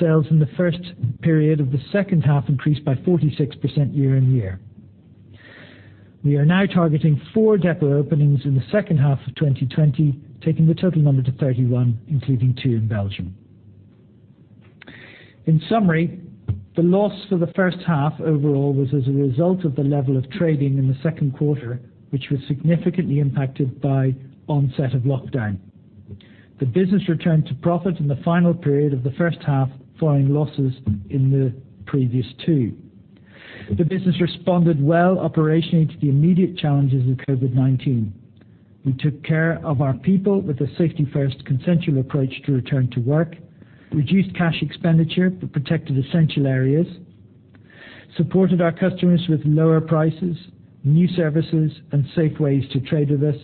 sales in the first period of the second half increased by 46% year-on-year. We are now targeting four depot openings in the second half of 2020, taking the total number to 31, including two in Belgium. In summary, the loss for the first half overall was as a result of the level of trading in the second quarter, which was significantly impacted by onset of lockdown. The business returned to profit in the final period of the first half, following losses in the previous two. The business responded well operationally to the immediate challenges of COVID-19. We took care of our people with a safety-first consensual approach to return to work, reduced cash expenditure that protected essential areas, supported our customers with lower prices, new services, and safe ways to trade with us.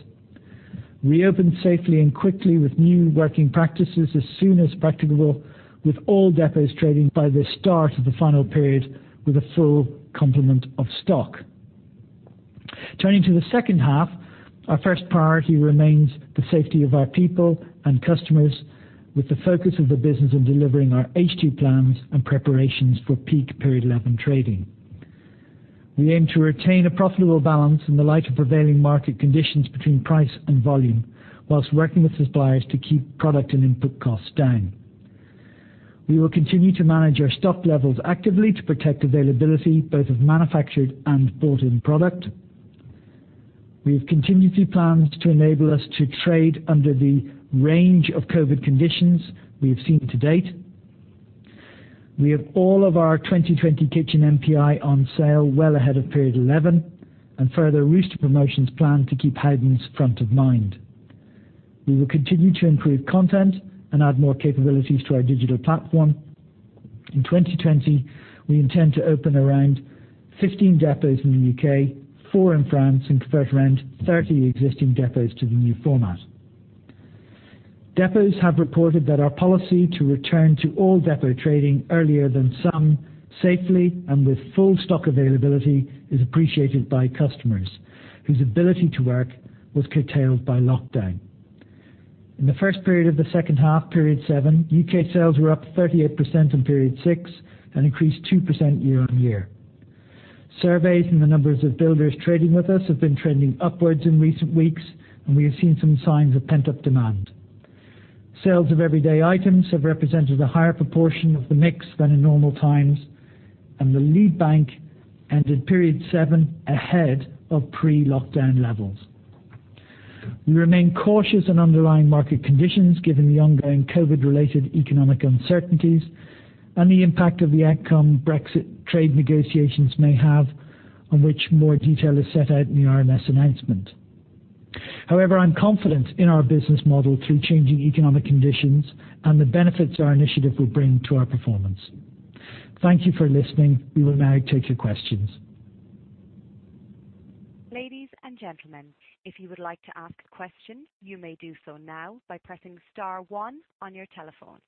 Reopened safely and quickly with new working practices as soon as practicable, with all depots trading by the start of the final period with a full complement of stock. Turning to the second half, our first priority remains the safety of our people and customers, with the focus of the business on delivering our H2 plans and preparations for peak period 11 trading. We aim to retain a profitable balance in the light of prevailing market conditions between price and volume, whilst working with suppliers to keep product and input costs down. We will continue to manage our stock levels actively to protect availability, both of manufactured and bought-in product. We have contingency plans to enable us to trade under the range of COVID conditions we have seen to date. We have all of our 2020 kitchen NPI on sale well ahead of period 11, and further Rooster promotions planned to keep Howden front of mind. We will continue to improve content and add more capabilities to our digital platform. In 2020, we intend to open around 15 depots in the U.K., four in France, and convert around 30 existing depots to the new format. Depots have reported that our policy to return to all depot trading earlier than some, safely and with full stock availability, is appreciated by customers whose ability to work was curtailed by lockdown. In the first period of the second half, period seven, U.K. sales were up 38% in period six and increased 2% year-on-year. Surveys and the numbers of builders trading with us have been trending upwards in recent weeks, and we have seen some signs of pent-up demand. Sales of everyday items have represented a higher proportion of the mix than in normal times, and the lead bank ended period seven ahead of pre-lockdown levels. We remain cautious on underlying market conditions, given the ongoing COVID-related economic uncertainties and the impact the outcome Brexit trade negotiations may have, on which more detail is set out in the RNS announcement. However, I'm confident in our business model through changing economic conditions and the benefits our initiative will bring to our performance. Thank you for listening. We will now take your questions. Ladies and gentlemen, if you would like to ask a question, you may do so now by pressing star one on your telephone.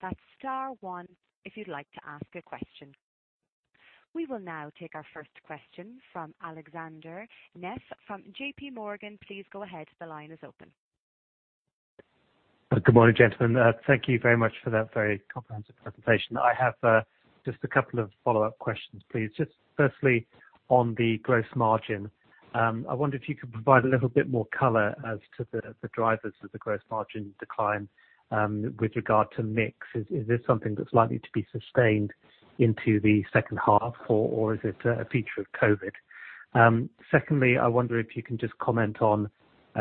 That's star one if you'd like to ask a question. We will now take our first question from Alexander Mees from JPMorgan. Please go ahead. The line is open. Good morning, gentlemen. Thank you very much for that very comprehensive presentation. I have just a couple of follow-up questions, please. Just firstly, on the gross margin, I wonder if you could provide a little bit more color as to the drivers of the gross margin decline with regard to mix. Is this something that's likely to be sustained into the second half, or is it a feature of COVID-19? Secondly, I wonder if you can just comment on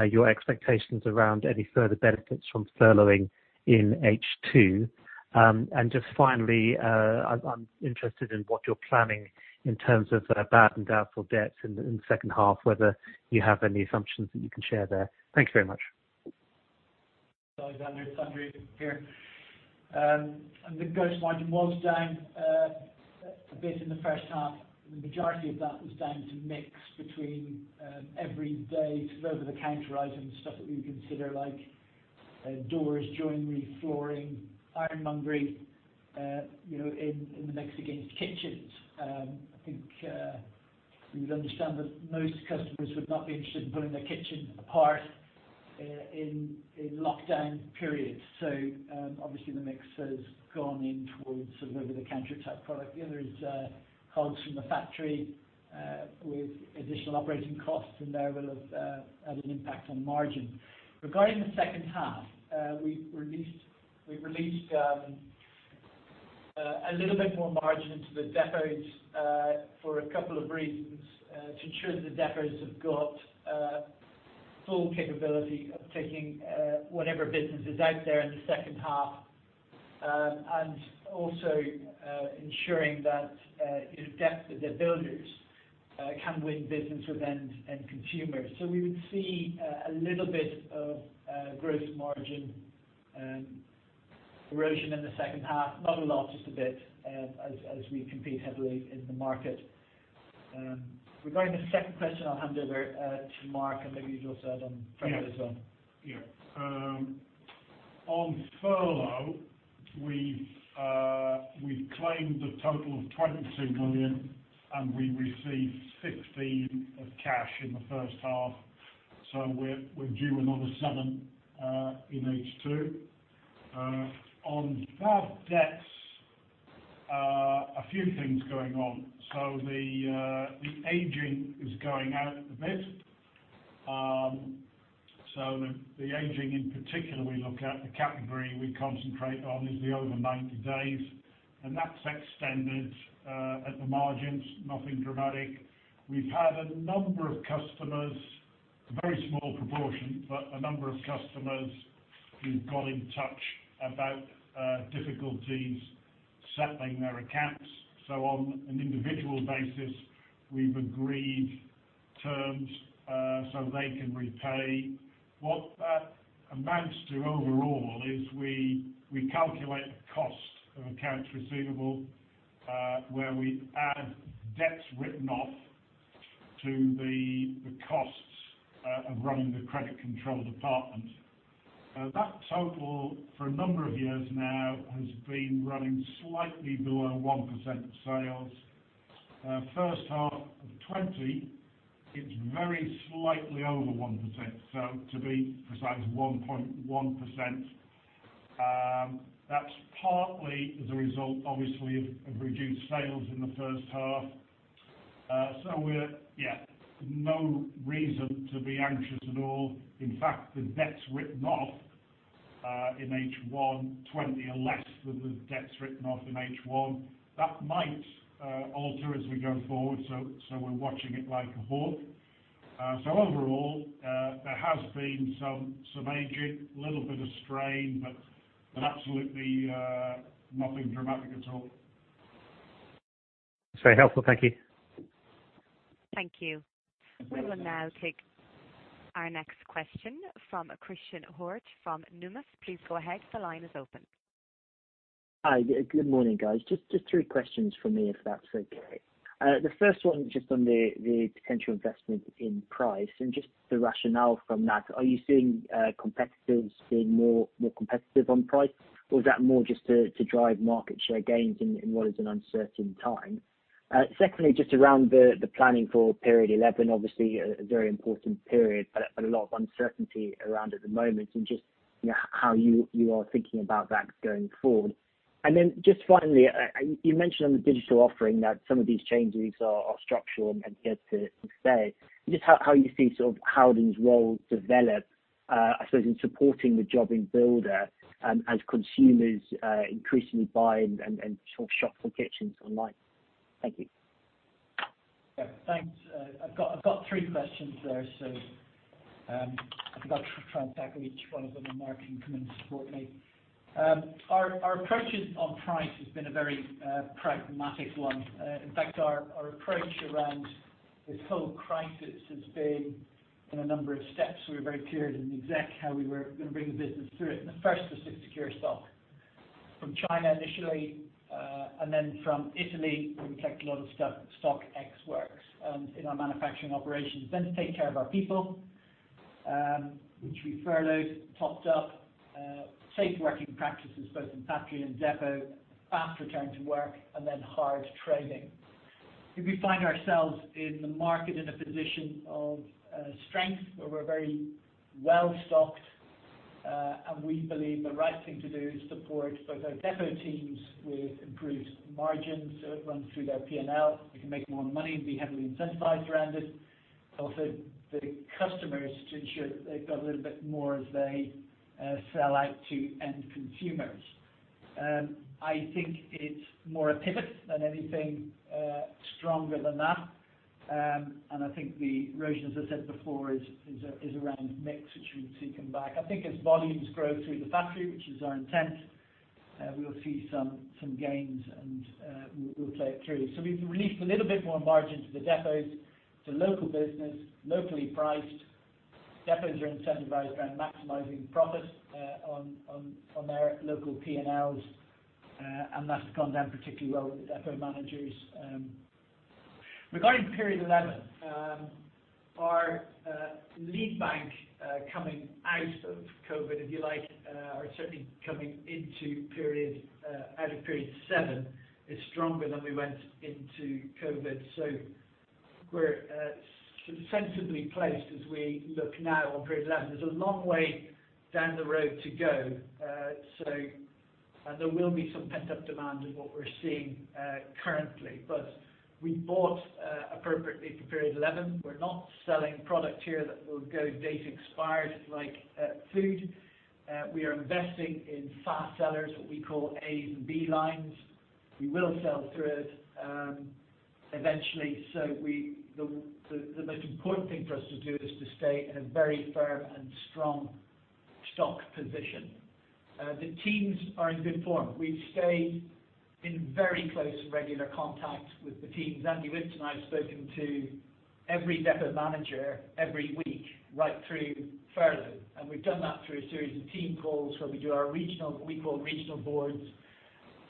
your expectations around any further benefits from furloughing in H2. Just finally, I'm interested in what you're planning in terms of bad and doubtful debts in the second half, whether you have any assumptions that you can share there. Thank you very much. Alexander, it's Andrew here. The gross margin was down a bit in the first half. The majority of that was down to mix between everyday sort of over-the-counter items, stuff that we would consider like doors, joinery, flooring, ironmongery, in the mix against kitchens. I think you would understand that most customers would not be interested in pulling their kitchen apart in lockdown periods, so obviously, the mix has gone in towards over-the-counter type product. The other is holds from the factory with additional operating costs, and they will have had an impact on margin. Regarding the second half, we've released a little bit more margin to the depots for a couple of reasons, to ensure that the depots have got full capability of taking whatever business is out there in the second half and also ensuring that in-depot with their builders can win business with end consumers. We would see a little bit of gross margin erosion in the second half. Not a lot, just a bit as we compete heavily in the market. Regarding the second question, I'll hand over to Mark, and maybe you as well, Andrew, as well. On furlough, we claimed a total of 22 million, and we received 16 of cash in the first half, so we're due another 7 in H2. On bad debts, a few things going on. The aging in particular, we look at the category we concentrate on is the over 90 days, and that's extended at the margins, nothing dramatic. We've had a number of customers, a very small proportion, but a number of customers who've got in touch about difficulties settling their accounts. On an individual basis, we've agreed terms so they can repay. What that amounts to overall is we calculate the cost of accounts receivable, where we add debts written off to the costs of running the credit control department. That total, for a number of years now, has been running slightly below 1% of sales. First half of 2020, it's very slightly over 1%, so to be precise, 1.1%. That's partly as a result, obviously, of reduced sales in the first half. We're, yeah, no reason to be anxious at all. In fact, the debts written off in H1 2020 are less than the debts written off in H1. That might alter as we go forward, so we're watching it like a hawk. Overall, there has been some aging, a little bit of strain, but absolutely nothing dramatic at all. Very helpful. Thank you. Thank you. We will now take our next question from Christen Hjorth from Numis. Please go ahead. The line is open. Hi. Good morning, guys. Just three questions from me, if that's okay. The first one just on the potential investment in price and just the rationale from that. Is that more just to drive market share gains in what is an uncertain time? Secondly, just around the planning for Period 11, obviously a very important period, but a lot of uncertainty around at the moment and just how you are thinking about that going forward. Just finally, you mentioned on the digital offering that some of these changes are structural and here to stay. Just how you see Howdens role develop, I suppose, in supporting the jobbing builder as consumers increasingly buy and shop for kitchens online. Thank you. Yeah, thanks. I've got three questions there. I think I'll try and tackle each one of them, and Mark can come in to support me. Our approaches on price has been a very pragmatic one. In fact, our approach around this whole crisis has been in a number of steps. We were very clear in the exec how we were going to bring the business through it. The first was to secure stock from China initially, and then from Italy, where we collect a lot of stock ex works in our manufacturing operations. To take care of our people, which we furloughed, topped up, safe working practices, both in factory and depot, fast return to work, and then hard trading. We find ourselves in the market in a position of strength where we're very well-stocked, and we believe the right thing to do is support both our depot teams with improved margins, so it runs through their P&L. We can make more money and be heavily incentivized around it. Also the customers to ensure that they've got a little bit more as they sell out to end consumers. I think it's more a pivot than anything stronger than that, and I think the erosion, as I said before, is around mix, which we've seen come back. I think as volumes grow through the factory, which is our intent, we'll see some gains and we'll play it through. We've released a little bit more margin to the depots, to local business, locally priced. Depots are incentivized around maximizing profit on their local P&Ls, and that's gone down particularly well with the depot managers. Regarding Period 11, our lead bank coming out of COVID, if you like, or certainly coming out of Period 7, is stronger than we went into COVID. We're sensibly placed as we look now on Period 11. There's a long way down the road to go, so there will be some pent-up demand in what we're seeing currently. We bought appropriately for Period 11. We're not selling product here that will go date expired like food. We are investing in fast sellers, what we call A and B lines. We will sell through it eventually, so the most important thing for us to do is to stay in a very firm and strong stock position. The teams are in good form. We stay in very close, regular contact with the teams. Andy Witts and I have spoken to every depot manager every week, right through furlough, and we've done that through a series of team calls where we call regional boards,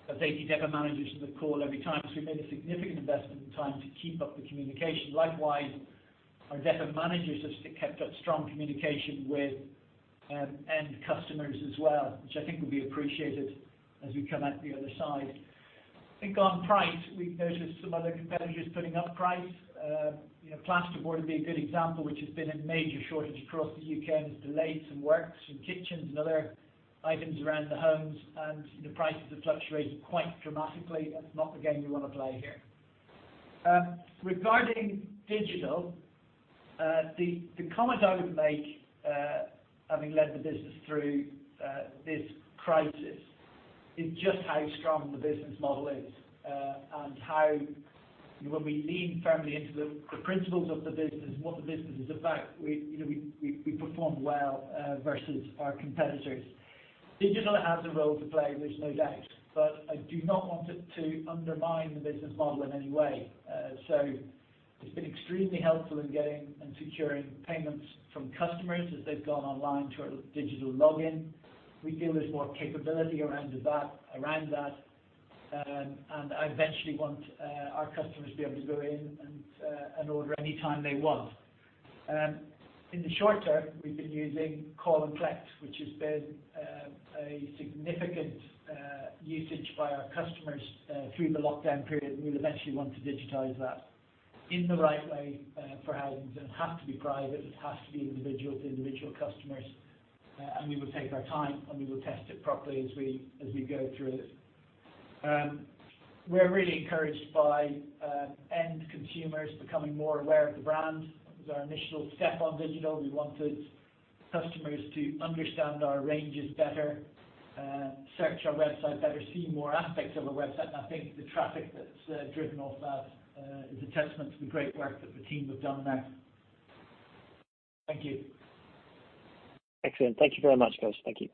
but they keep depot managers on the call every time. We made a significant investment in time to keep up the communication. Likewise, our depot managers have kept up strong communication with end customers as well, which I think will be appreciated as we come out the other side. I think on price, we've noticed some other competitors putting up price. Plasterboard would be a good example, which has been in major shortage across the U.K. and has delayed some works, some kitchens and other items around the homes, and the prices have fluctuated quite dramatically. That's not the game we want to play here. Regarding digital, the comment I would make, having led the business through this crisis, is just how strong the business model is and how when we lean firmly into the principles of the business, what the business is about, we perform well versus our competitors. Digital has a role to play, there's no doubt, but I do not want it to undermine the business model in any way. It's been extremely helpful in getting and securing payments from customers as they've gone online to our digital login. We feel there's more capability around that, and I eventually want our customers to be able to go in and order anytime they want. In the short term, we've been using Call and Collect, which has been a significant usage by our customers through the lockdown period, and we'll eventually want to digitize that in the right way for Howdens, and it has to be private. It has to be individual to individual customers, and we will take our time, and we will test it properly as we go through it. We're really encouraged by end consumers becoming more aware of the brand. As our initial step on digital, we wanted customers to understand our ranges better, search our website better, see more aspects of our website. I think the traffic that's driven off that is a testament to the great work that the team have done there. Thank you. Excellent. Thank you very much, guys. Thank you.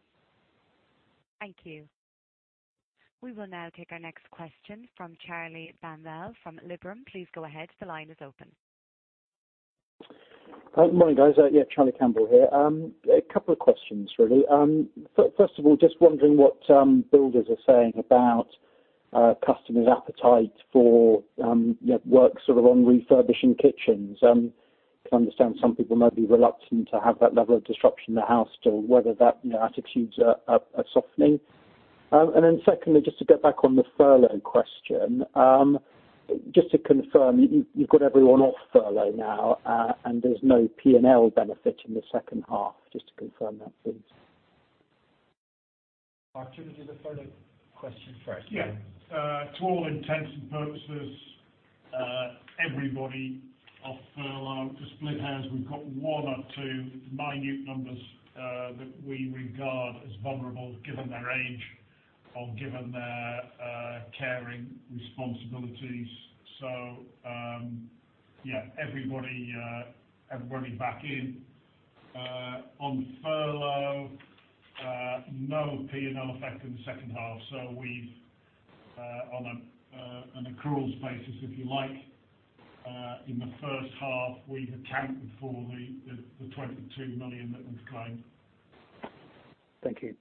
Thank you. We will now take our next question from Charlie Campbell from Liberum. Please go ahead. The line is open. Good morning, guys. Yeah, Charlie Campbell here. A couple of questions, really. First of all, just wondering what builders are saying about customers' appetite for work on refurbishing kitchens. I understand some people might be reluctant to have that level of disruption in the house, or whether that attitudes are softening. Secondly, just to get back on the furlough question, just to confirm, you've got everyone off furlough now and there's no P&L benefit in the second half, just to confirm that, please. Mark, do you want to do the furlough question first? Yeah. To all intents and purposes, everybody off furlough. To split hairs, we've got one or two minute numbers that we regard as vulnerable, given their age or given their caring responsibilities. Yeah, everybody back in. On furlough, no P&L effect in the second half. We've, on an accruals basis, if you like, in the first half, we've accounted for the 22 million that we've claimed. Thank you.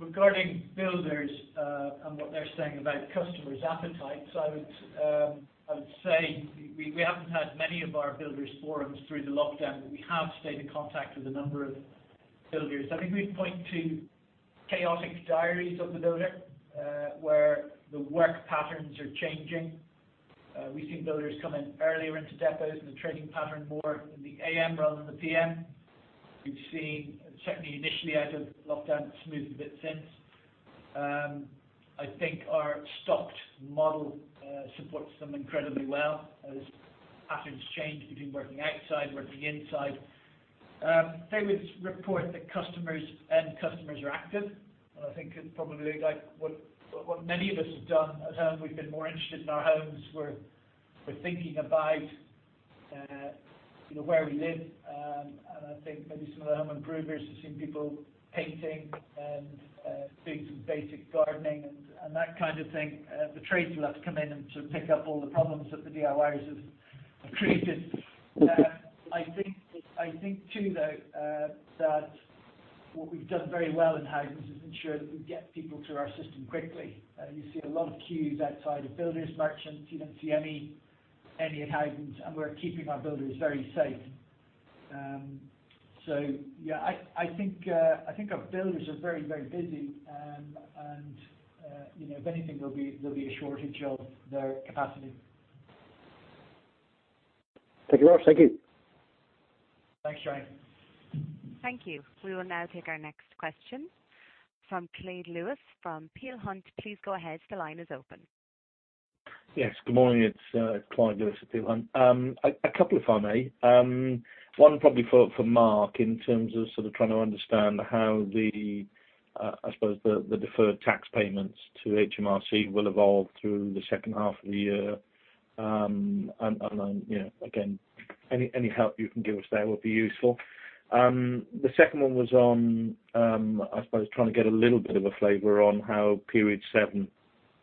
Regarding builders and what they're saying about customers' appetites, I would say we haven't had many of our builders forums through the lockdown, but we have stayed in contact with a number of builders. I think we'd point to chaotic diaries of the builder, where the work patterns are changing. We've seen builders come in earlier into depots and the trading pattern more in the a.m. rather than the p.m. We've seen, certainly initially out of lockdown, it's smoothed a bit since. I think our stocked model supports them incredibly well as patterns change between working outside, working inside. They would report that end customers are active, and I think probably like what many of us have done at home, we've been more interested in our homes. We're thinking about where we live. I think maybe some of the home improvers have seen people painting and doing some basic gardening and that kind of thing. The trades will have to come in and sort of pick up all the problems that the DIYers have created. I think, too, though, that what we've done very well in Howdens is ensure that we get people through our system quickly. You see a lot of queues outside of builders merchants. You don't see any at Howdens. We're keeping our builders very safe. Yeah, I think our builders are very, very busy and if anything, there'll be a shortage of their capacity. Thank you both. Thank you. Thanks, Charlie. Thank you. We will now take our next question from Clyde Lewis from Peel Hunt. Please go ahead. The line is open. Yes. Good morning. It's Clyde Lewis at Peel Hunt. A couple, if I may. One probably for Mark in terms of sort of trying to understand how the, I suppose, the deferred tax payments to HMRC will evolve through the second half of the year. Again, any help you can give us there would be useful. The second one was on, I suppose, trying to get a little bit of a flavor on how period seven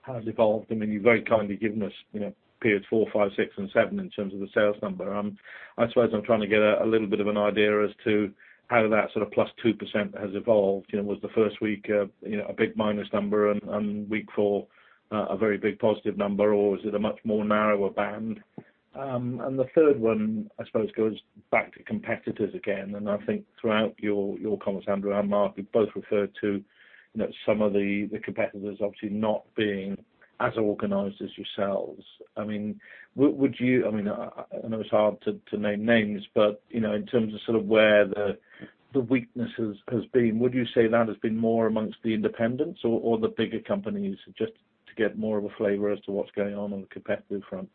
has evolved. You've very kindly given us periods four, five, six, and seven in terms of the sales number. I suppose I'm trying to get a little bit of an idea as to how that sort of +2% has evolved. Was the first week a big minus number and week four a very big positive number, or is it a much more narrower band? The third one, I suppose, goes back to competitors again, and I think throughout your comments, Andrew and Mark, you both referred to some of the competitors obviously not being as organized as yourselves. I know it's hard to name names, but in terms of sort of where the weakness has been, would you say that has been more amongst the independents or the bigger companies? Just to get more of a flavor as to what's going on the competitive front.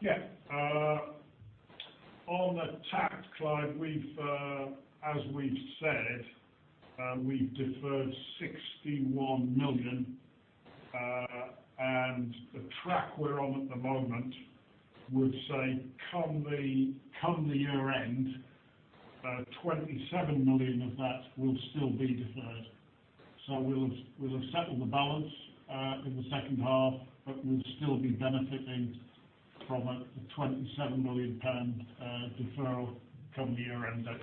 Yeah. On the tax, Clyde, as we've said, we deferred 61 million. The track we're on at the moment would say come the year-end, 27 million of that will still be deferred. We'll have settled the balance in the second half, but we'll still be benefiting from a 27 million pound deferral come the year-end date.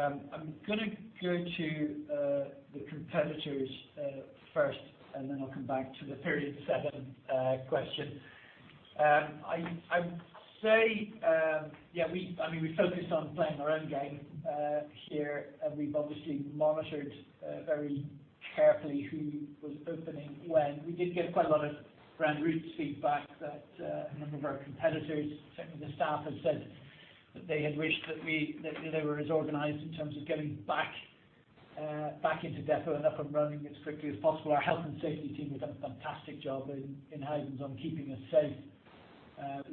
I'm going to go to the competitors first, and then I'll come back to the period seven question. I would say, we focused on playing our own game here. We've obviously monitored very carefully who was opening when. We did get quite a lot of grassroots feedback that a number of our competitors, certainly the staff, have said that they had wished that they were as organized in terms of getting back into depot and up and running as quickly as possible. Our health and safety team did a fantastic job in Howdens on keeping us safe,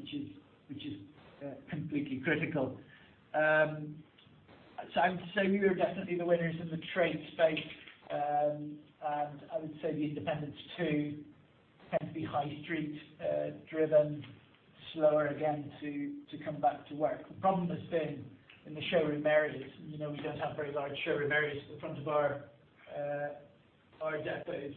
which is completely critical. I would say we were definitely the winners in the trade space. I would say the independents too, tend to be high street driven, slower again to come back to work. The problem has been in the showroom areas. We don't have very large showroom areas at the front of our depots.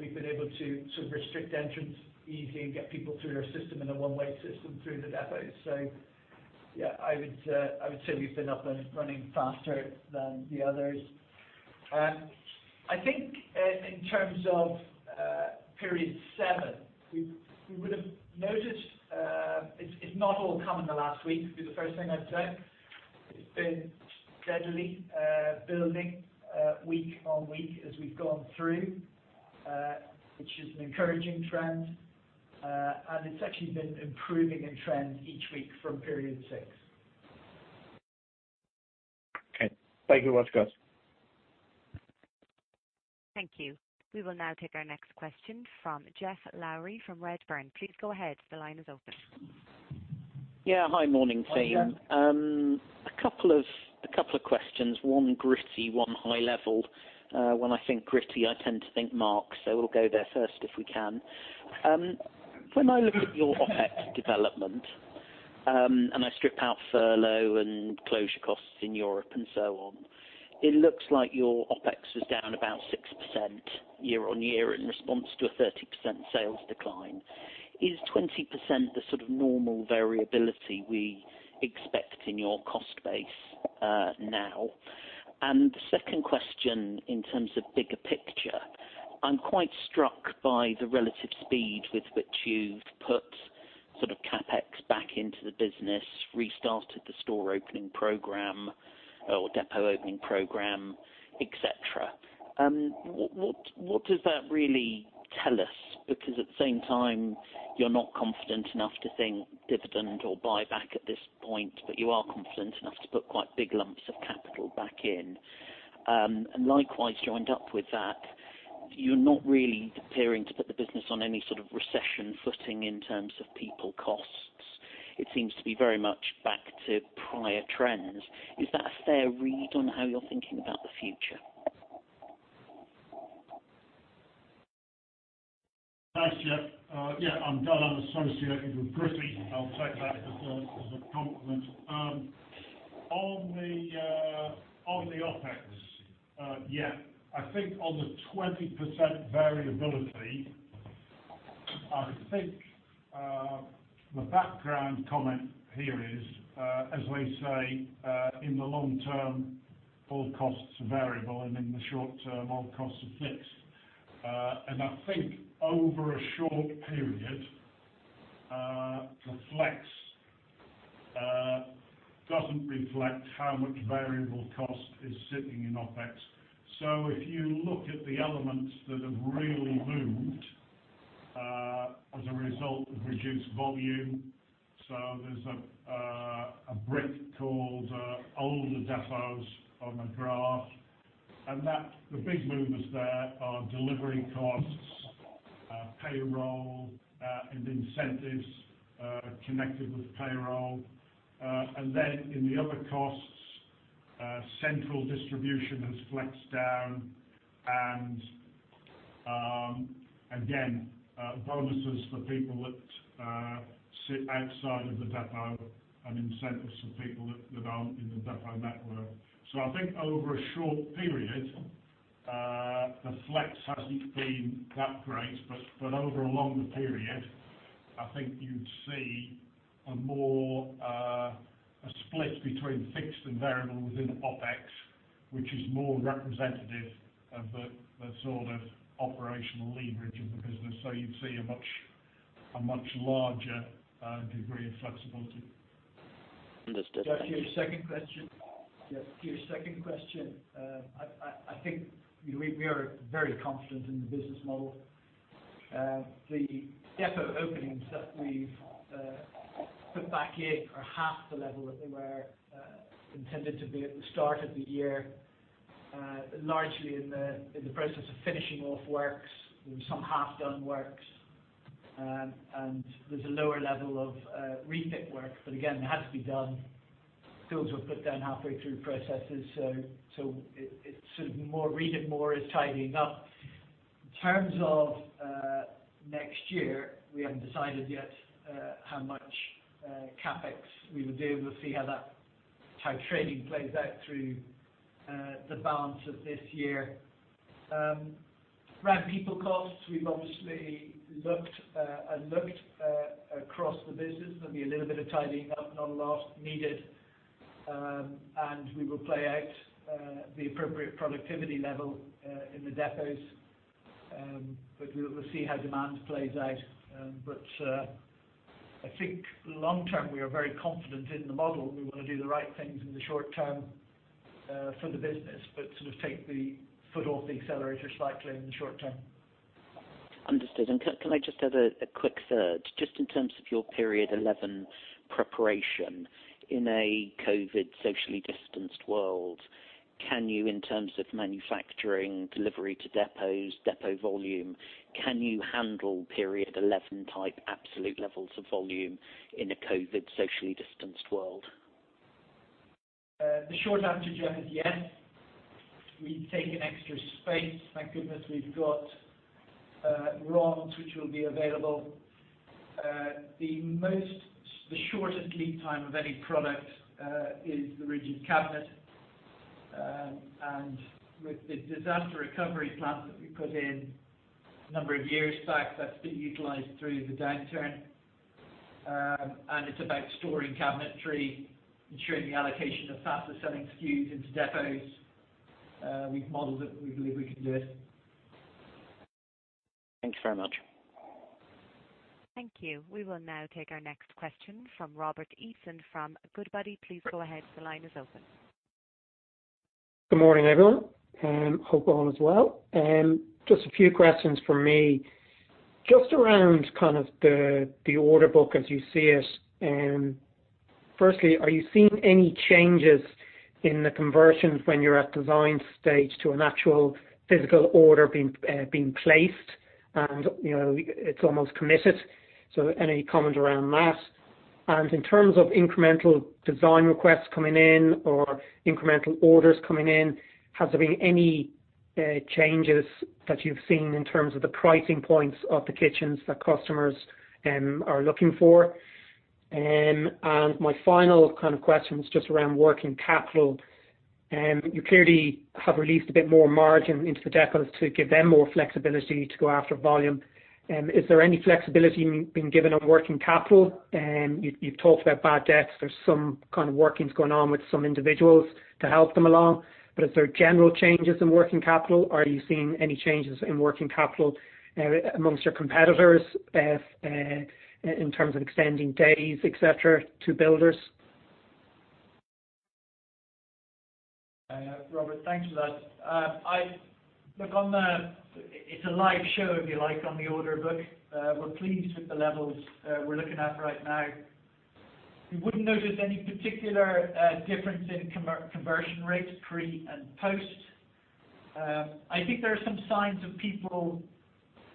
We've been able to restrict entrance easily and get people through our system in a one-way system through the depots. Yeah, I would say we've been up and running faster than the others. I think in terms of period seven, you would have noticed it's not all come in the last week, would be the first thing I'd say. It's been steadily building week on week as we've gone through, which is an encouraging trend. And it's actually been improving in trend each week from period six. Okay. Thank you much, guys. Thank you. We will now take our next question from Geoff Lowery from Redburn. Please go ahead. The line is open. Yeah. Hi, morning, team. Hi, Geoff. A couple of questions, one gritty, one high level. When I think gritty, I tend to think Mark, so we'll go there first if we can. When I look at your OpEx development, and I strip out furlough and closure costs in Europe and so on, it looks like your OpEx was down about 6% year-over-year in response to a 30% sales decline. Is 20% the sort of normal variability we expect in your cost base now? The second question, in terms of bigger picture, I'm quite struck by the relative speed with which you've put CapEx back into the business, restarted the store opening program or depot opening program, et cetera. What does that really tell us? At the same time, you're not confident enough to think dividend or buyback at this point, but you are confident enough to put quite big lumps of capital back in. Likewise, joined up with that, you're not really appearing to put the business on any sort of recession footing in terms of people costs. It seems to be very much back to prior trends. Is that a fair read on how you're thinking about the future? Thanks, Geoff. Yeah, I'm done. I'm sorry to hear you were gritty. I'll take that as a compliment. On the OpEx. Yeah, I think on the 20% variability, I think the background comment here is, as they say, in the long term, all costs are variable, and in the short term, all costs are fixed. I think over a short period, the flex doesn't reflect how much variable cost is sitting in OpEx. If you look at the elements that have really moved as a result of reduced volume, there's a brick called older depots on the graph, the big movers there are delivery costs, payroll, and incentives connected with payroll. In the other costs, central distribution has flexed down, again, bonuses for people that sit outside of the depot and incentives for people that aren't in the depot network. I think over a short period, the flex hasn't been that great, but over a longer period, I think you'd see a split between fixed and variable within OpEx, which is more representative of the sort of operational leverage of the business. You'd see a much larger degree of flexibility. Understood. Thank you. To your second question, I think we are very confident in the business model. The depot openings that we've put back in are half the level that they were intended to be at the start of the year. Largely in the process of finishing off works. There were some half-done works, and there's a lower level of refit work, but again, it has to be done. Builds were put down halfway through processes, so more read it, more is tidying up. In terms of next year, we haven't decided yet how much CapEx we will do. We'll see how that trading plays out through the balance of this year. Around people costs, we've obviously looked and looked across the business. There will be a little bit of tidying up, not a lot needed. We will play out the appropriate productivity level in the depots. We'll see how demand plays out. I think long term, we are very confident in the model. We want to do the right things in the short term for the business, but sort of take the foot off the accelerator slightly in the short term. Understood. Can I just add a quick third, just in terms of your Period 11 preparation in a COVID, socially distanced world, can you, in terms of manufacturing, delivery to depots, depot volume, can you handle Period 11 type absolute levels of volume in a COVID, socially distanced world? The short answer, Geoff, is yes. We've taken extra space. Thank goodness we've got Raunds, which will be available. The shortest lead time of any product is the rigid cabinet. With the disaster recovery plan that we put in a number of years back, that's been utilized through the downturn. It's about storing cabinetry, ensuring the allocation of faster selling SKUs into depots. We've modeled it, and we believe we can do it. Thanks very much. Thank you. We will now take our next question from Robert Eason from Goodbody. Please go ahead. The line is open. Good morning, everyone. Hope all is well. Just a few questions from me, just around kind of the order book as you see it. Firstly, are you seeing any changes in the conversions when you are at design stage to an actual physical order being placed and it's almost committed? Any comment around that? In terms of incremental design requests coming in or incremental orders coming in, has there been any changes that you've seen in terms of the pricing points of the kitchens that customers are looking for? My final kind of question is just around working capital. You clearly have released a bit more margin into the depots to give them more flexibility to go after volume. Is there any flexibility being given on working capital? You've talked about bad debts. There's some kind of workings going on with some individuals to help them along. Is there general changes in working capital? Are you seeing any changes in working capital amongst your competitors in terms of extending days, et cetera, to builders? Robert, thanks for that. Look, it's a live show, if you like, on the order book. We're pleased with the levels we're looking at right now. We wouldn't notice any particular difference in conversion rates pre and post. I think there are some signs of people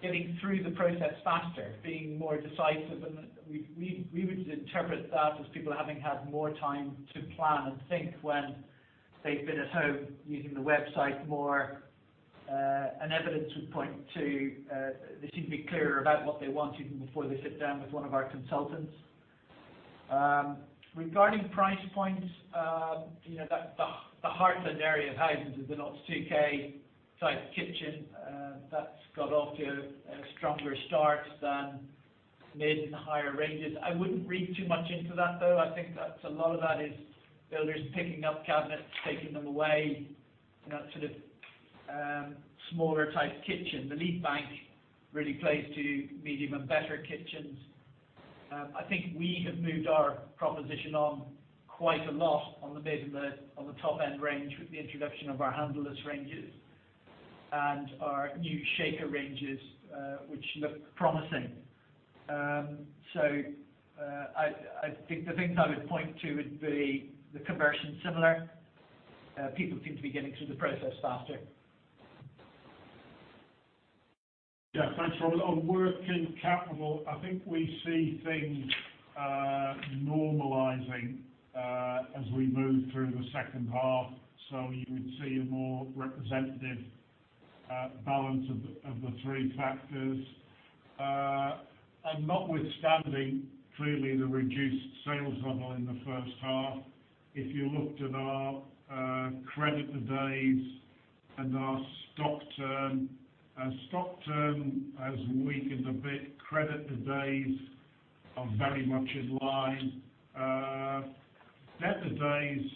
getting through the process faster, being more decisive, and we would interpret that as people having had more time to plan and think when they've been at home using the website more. Evidence would point to they seem to be clearer about what they want even before they sit down with one of our consultants. Regarding price points, the heartland area of Howdens is the 2,000 type kitchen. That's got off to a stronger start than mid and higher ranges. I wouldn't read too much into that, though. I think a lot of that is builders picking up cabinets, taking them away, sort of smaller type kitchen. The main plank really plays to medium and better kitchens. I think we have moved our proposition on quite a lot on the top end range with the introduction of our handleless ranges and our new shaker ranges, which look promising. I think the things I would point to would be the conversion similar. People seem to be getting through the process faster. Thanks, Robert. On working capital, I think we see things normalizing as we move through the second half, so you would see a more representative balance of the three factors. Notwithstanding, clearly the reduced sales level in the first half, if you looked at our creditor days and our stock turn, our stock turn has weakened a bit. Creditor days are very much in line. Debtor days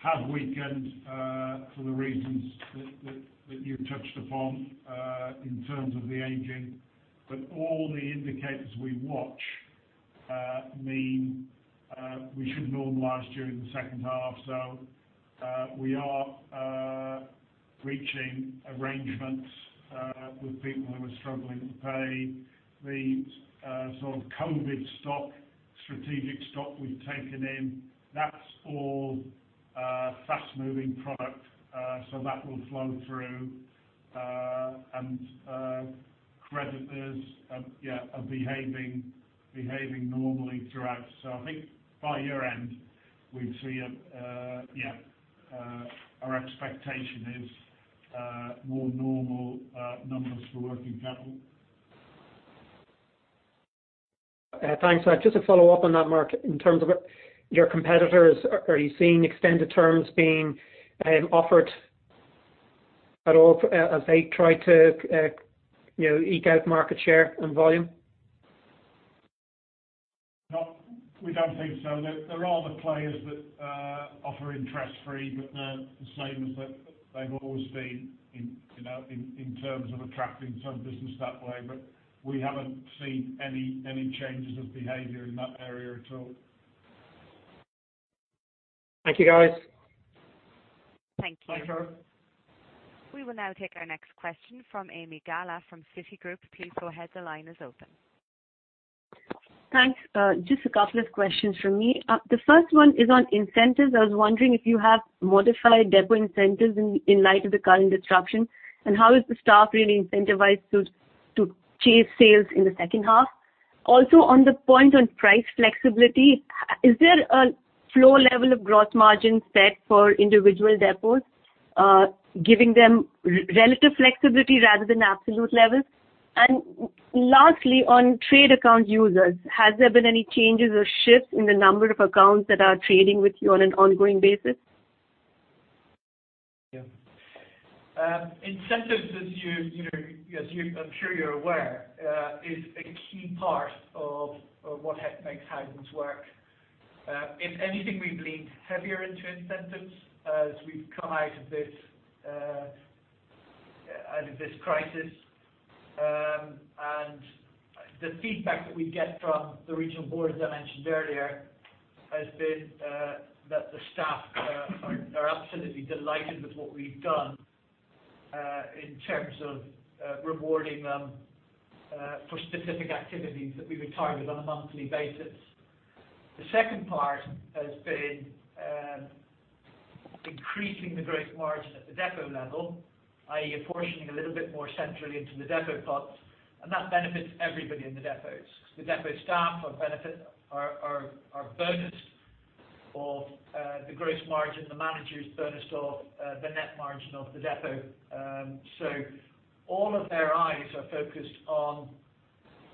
have weakened for the reasons that you touched upon in terms of the aging. All the indicators we watch mean we should normalize during the second half. We are reaching arrangements with people who are struggling to pay. The sort of COVID-19 stock, strategic stock we've taken in, that's all fast-moving product, so that will flow through. Creditors are behaving normally throughout. I think by year-end, our expectation is more normal numbers for working capital. Thanks. Just to follow up on that, Mark, in terms of your competitors, are you seeing extended terms being offered at all as they try to eke out market share and volume? No, we don't think so. There are the players that offer interest-free, but no, the same as they've always been in terms of attracting some business that way. We haven't seen any changes of behavior in that area at all. Thank you, guys. Thank you. Thanks. We will now take our next question from Ami Galla from Citigroup. Please go ahead. The line is open. Thanks. Just a couple of questions from me. The first one is on incentives. I was wondering if you have modified depot incentives in light of the current disruption, and how is the staff really incentivized to chase sales in the second half? On the point on price flexibility, is there a floor level of gross margin set for individual depots, giving them relative flexibility rather than absolute levels? Lastly, on trade account users, has there been any changes or shifts in the number of accounts that are trading with you on an ongoing basis? Yeah. Incentives as I'm sure you're aware, is a key part of what makes Howdens work. If anything, we leaned heavier into incentives as we've come out of this crisis. The feedback that we get from the regional board, as I mentioned earlier, has been that the staff are absolutely delighted with what we've done in terms of rewarding them for specific activities that we've targeted on a monthly basis. The second part has been increasing the gross margin at the depot level, i.e., portioning a little bit more centrally into the depot pot, and that benefits everybody in the depots. The depot staff are bonus'd off the gross margin, the manager is bonus'd off the net margin of the depot. All of their eyes are focused on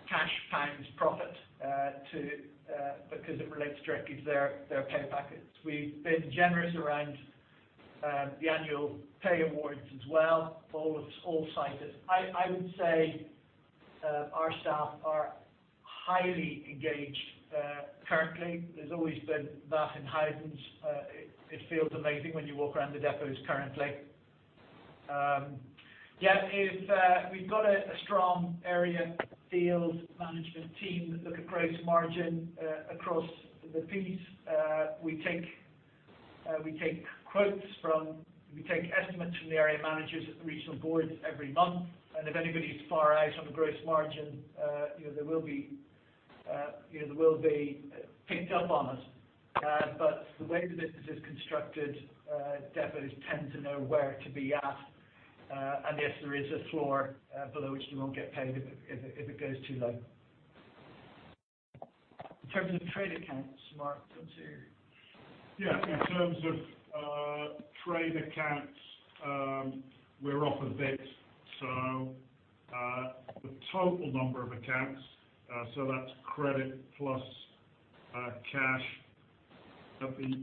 cash pounds profit, because it relates directly to their pay packets. We've been generous around the annual pay awards as well, for all sites. I would say our staff are highly engaged currently. There's always been that in Howdens. It feels amazing when you walk around the depots currently. We've got a strong area sales management team that look at gross margin across the piece. We take estimates from the area managers at the regional boards every month, and if anybody's far out on the gross margin, there will be picked up on it. The way the business is constructed, depots tend to know where to be at. Yes, there is a floor below which you won't get paid if it goes too low. In terms of trade accounts, Mark, do you want to? In terms of trade accounts, we're off a bit. The total number of accounts, so that's credit plus cash, we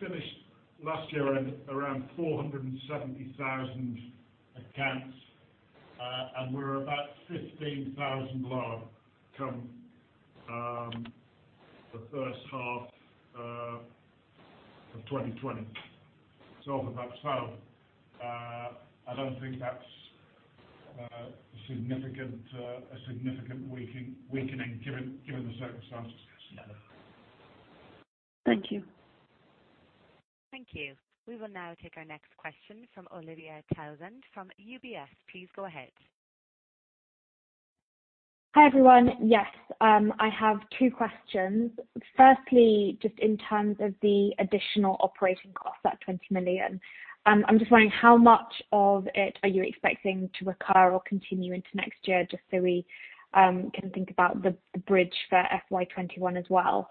finished last year around 470,000 accounts, and we're about 15,000 low come the first half of 2020. It's off about 12. I don't think that's a significant weakening given the circumstances. Thank you. Thank you. We will now take our next question from Olivia Townsend from UBS. Please go ahead. Hi, everyone. Yes. I have two questions. Firstly, just in terms of the additional operating cost, that 20 million, I'm just wondering how much of it are you expecting to recur or continue into next year, just so we can think about the bridge for FY 2021 as well.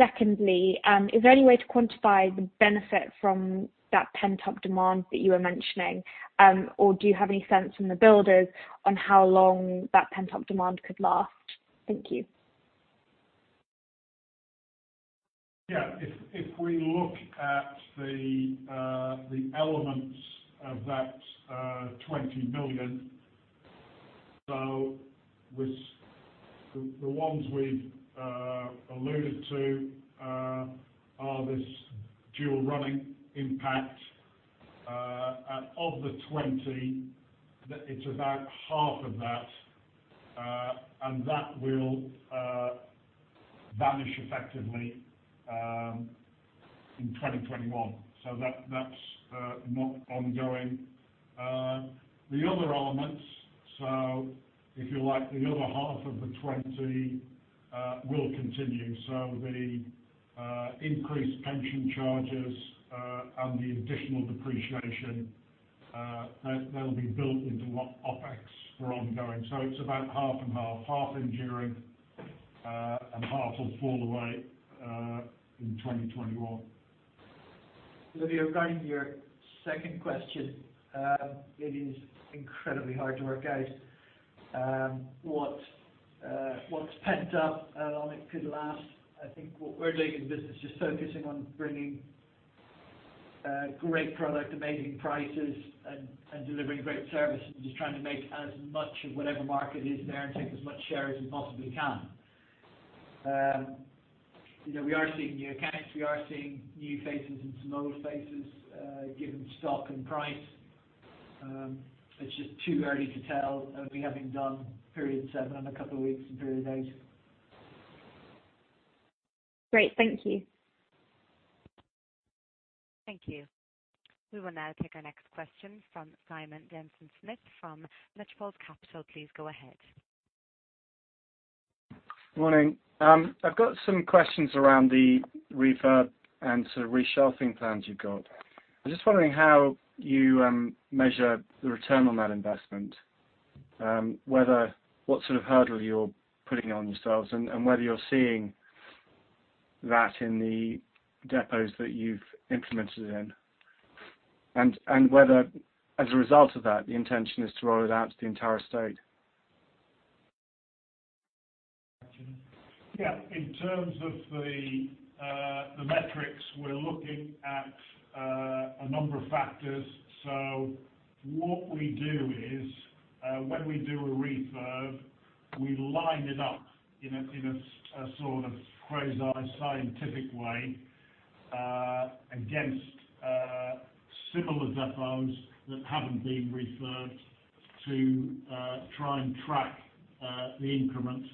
Secondly, is there any way to quantify the benefit from that pent-up demand that you were mentioning? Or do you have any sense from the builders on how long that pent-up demand could last? Thank you. Yeah. If we look at the elements of that GBP 20 million. The ones we've alluded to are this dual running impact of the 20, it's about half of that, and that will vanish effectively in 2021. That's not ongoing. The other elements, if you like, the other half of the 20 will continue. The increased pension charges, and the additional depreciation, that'll be built into OpEx for ongoing. It's about half and half enduring, and half will fall away, in 2021. Olivia, regarding your second question, it is incredibly hard to work out what's pent up and how long it could last. I think what we're doing in the business is just focusing on bringing great product, amazing prices, and delivering great service, and just trying to make as much of whatever market is there and take as much share as we possibly can. We are seeing new mechanics, we are seeing new faces and some old faces, given stock and price. It's just too early to tell, I think having done period seven in a couple of weeks and period eight. Great. Thank you. Thank you. We will now take our next question from Simon Denison-Smith from Metropolis Capital. Please go ahead. Morning. I've got some questions around the refurb and reshelving plans you've got. I'm just wondering how you measure the return on that investment, what sort of hurdle you're putting on yourselves, and whether you're seeing that in the depots that you've implemented in, and whether as a result of that, the intention is to roll it out to the entire estate. Yeah. In terms of the metrics, we're looking at a number of factors. What we do is, when we do a refurb, we line it up in a sort of quasi-scientific way, against similar depots that haven't been refurbed to try and track the increments.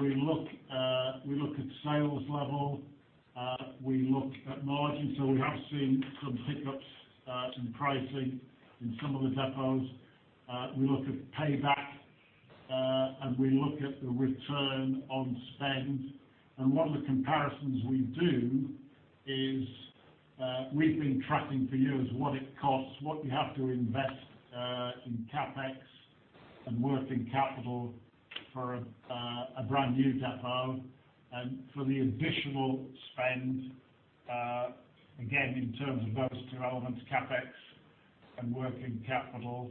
We look at sales level, we look at margin. We have seen some hiccups in pricing in some of the depots. We look at payback, and we look at the return on spend. One of the comparisons we do is, we've been tracking for years what it costs, what we have to invest in CapEx and working capital for a brand new depot, and for the additional spend, again, in terms of those two elements, CapEx and working capital,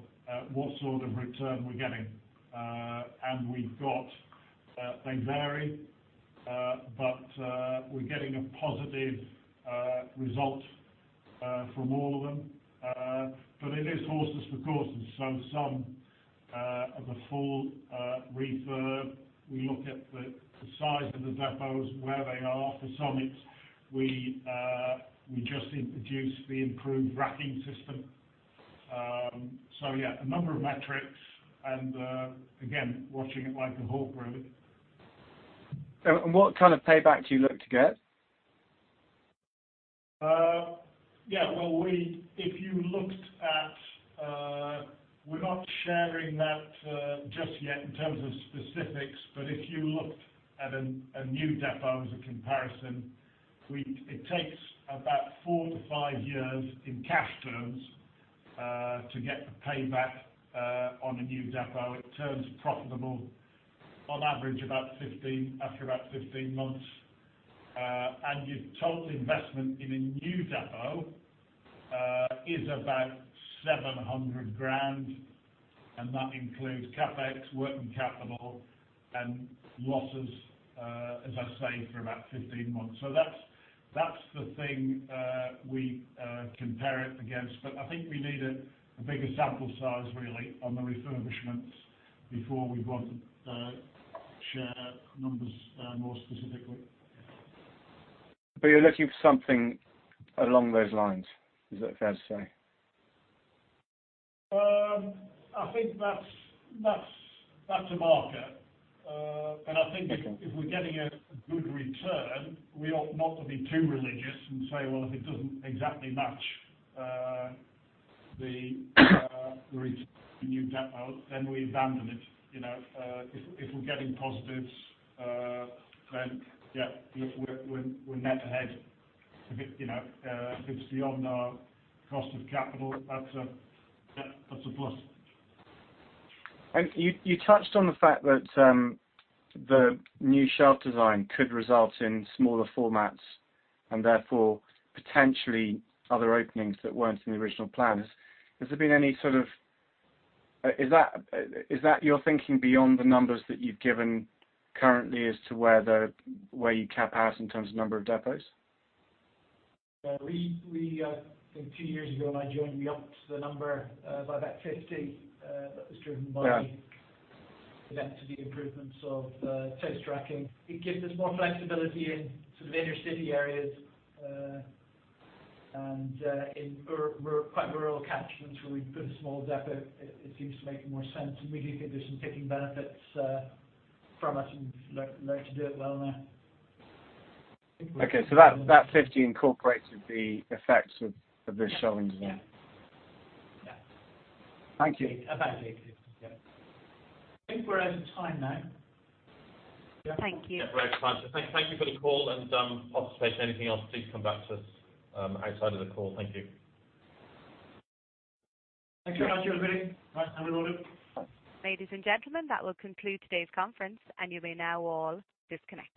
what sort of return we're getting. We've got, they vary, but we're getting a positive result from all of them. It is horses for courses, some of a full refurb, we look at the size of the depots, where they are. For some, we just introduced the improved racking system. Yeah, a number of metrics and again, watching it like a hawk, really. What kind of payback do you look to get? Yeah. Well, if you looked at We're not sharing that just yet in terms of specifics, but if you looked at a new depot as a comparison, it takes about four to five years in cash terms, to get the payback, on a new depot. It turns profitable on average after about 15 months. Your total investment in a new depot is about 700 grand, and that includes CapEx, working capital, and losses, as I say, for about 15 months. That's the thing we compare it against. I think we need a bigger sample size really on the refurbishments before we want to share numbers more specifically. You're looking for something along those lines, is that fair to say? I think that's a marker. Okay. I think if we're getting a good return, we ought not to be too religious and say, well, if it doesn't exactly match the return of a new depot, then we abandon it. If we're getting positives, then yeah, look, we're net ahead. If it's beyond our cost of capital, that's a plus. You touched on the fact that the new shelf design could result in smaller formats and therefore potentially other openings that weren't in the original plans. Is that your thinking beyond the numbers that you've given currently as to where you cap out in terms of number of depots? I think two years ago when I joined, we upped the number by about 50. That was driven by- Yeah The activity improvements of two-tier racking. It gives us more flexibility in sort of inner city areas, and in quite rural catchments where we put a small depot, it seems to make more sense, and we do think there's some tangible benefits from us and like to do it well now. Okay. That 50 incorporates with the effects of this shelving design. Yeah. Thank you. About 50. Yeah. I think we're out of time now. Thank you. Yeah, we're out of time. Thank you for the call, and obviously if there's anything else, please come back to us outside of the call. Thank you. Thanks very much everybody. Have a good one. Ladies and gentlemen, that will conclude today's conference, and you may now all disconnect.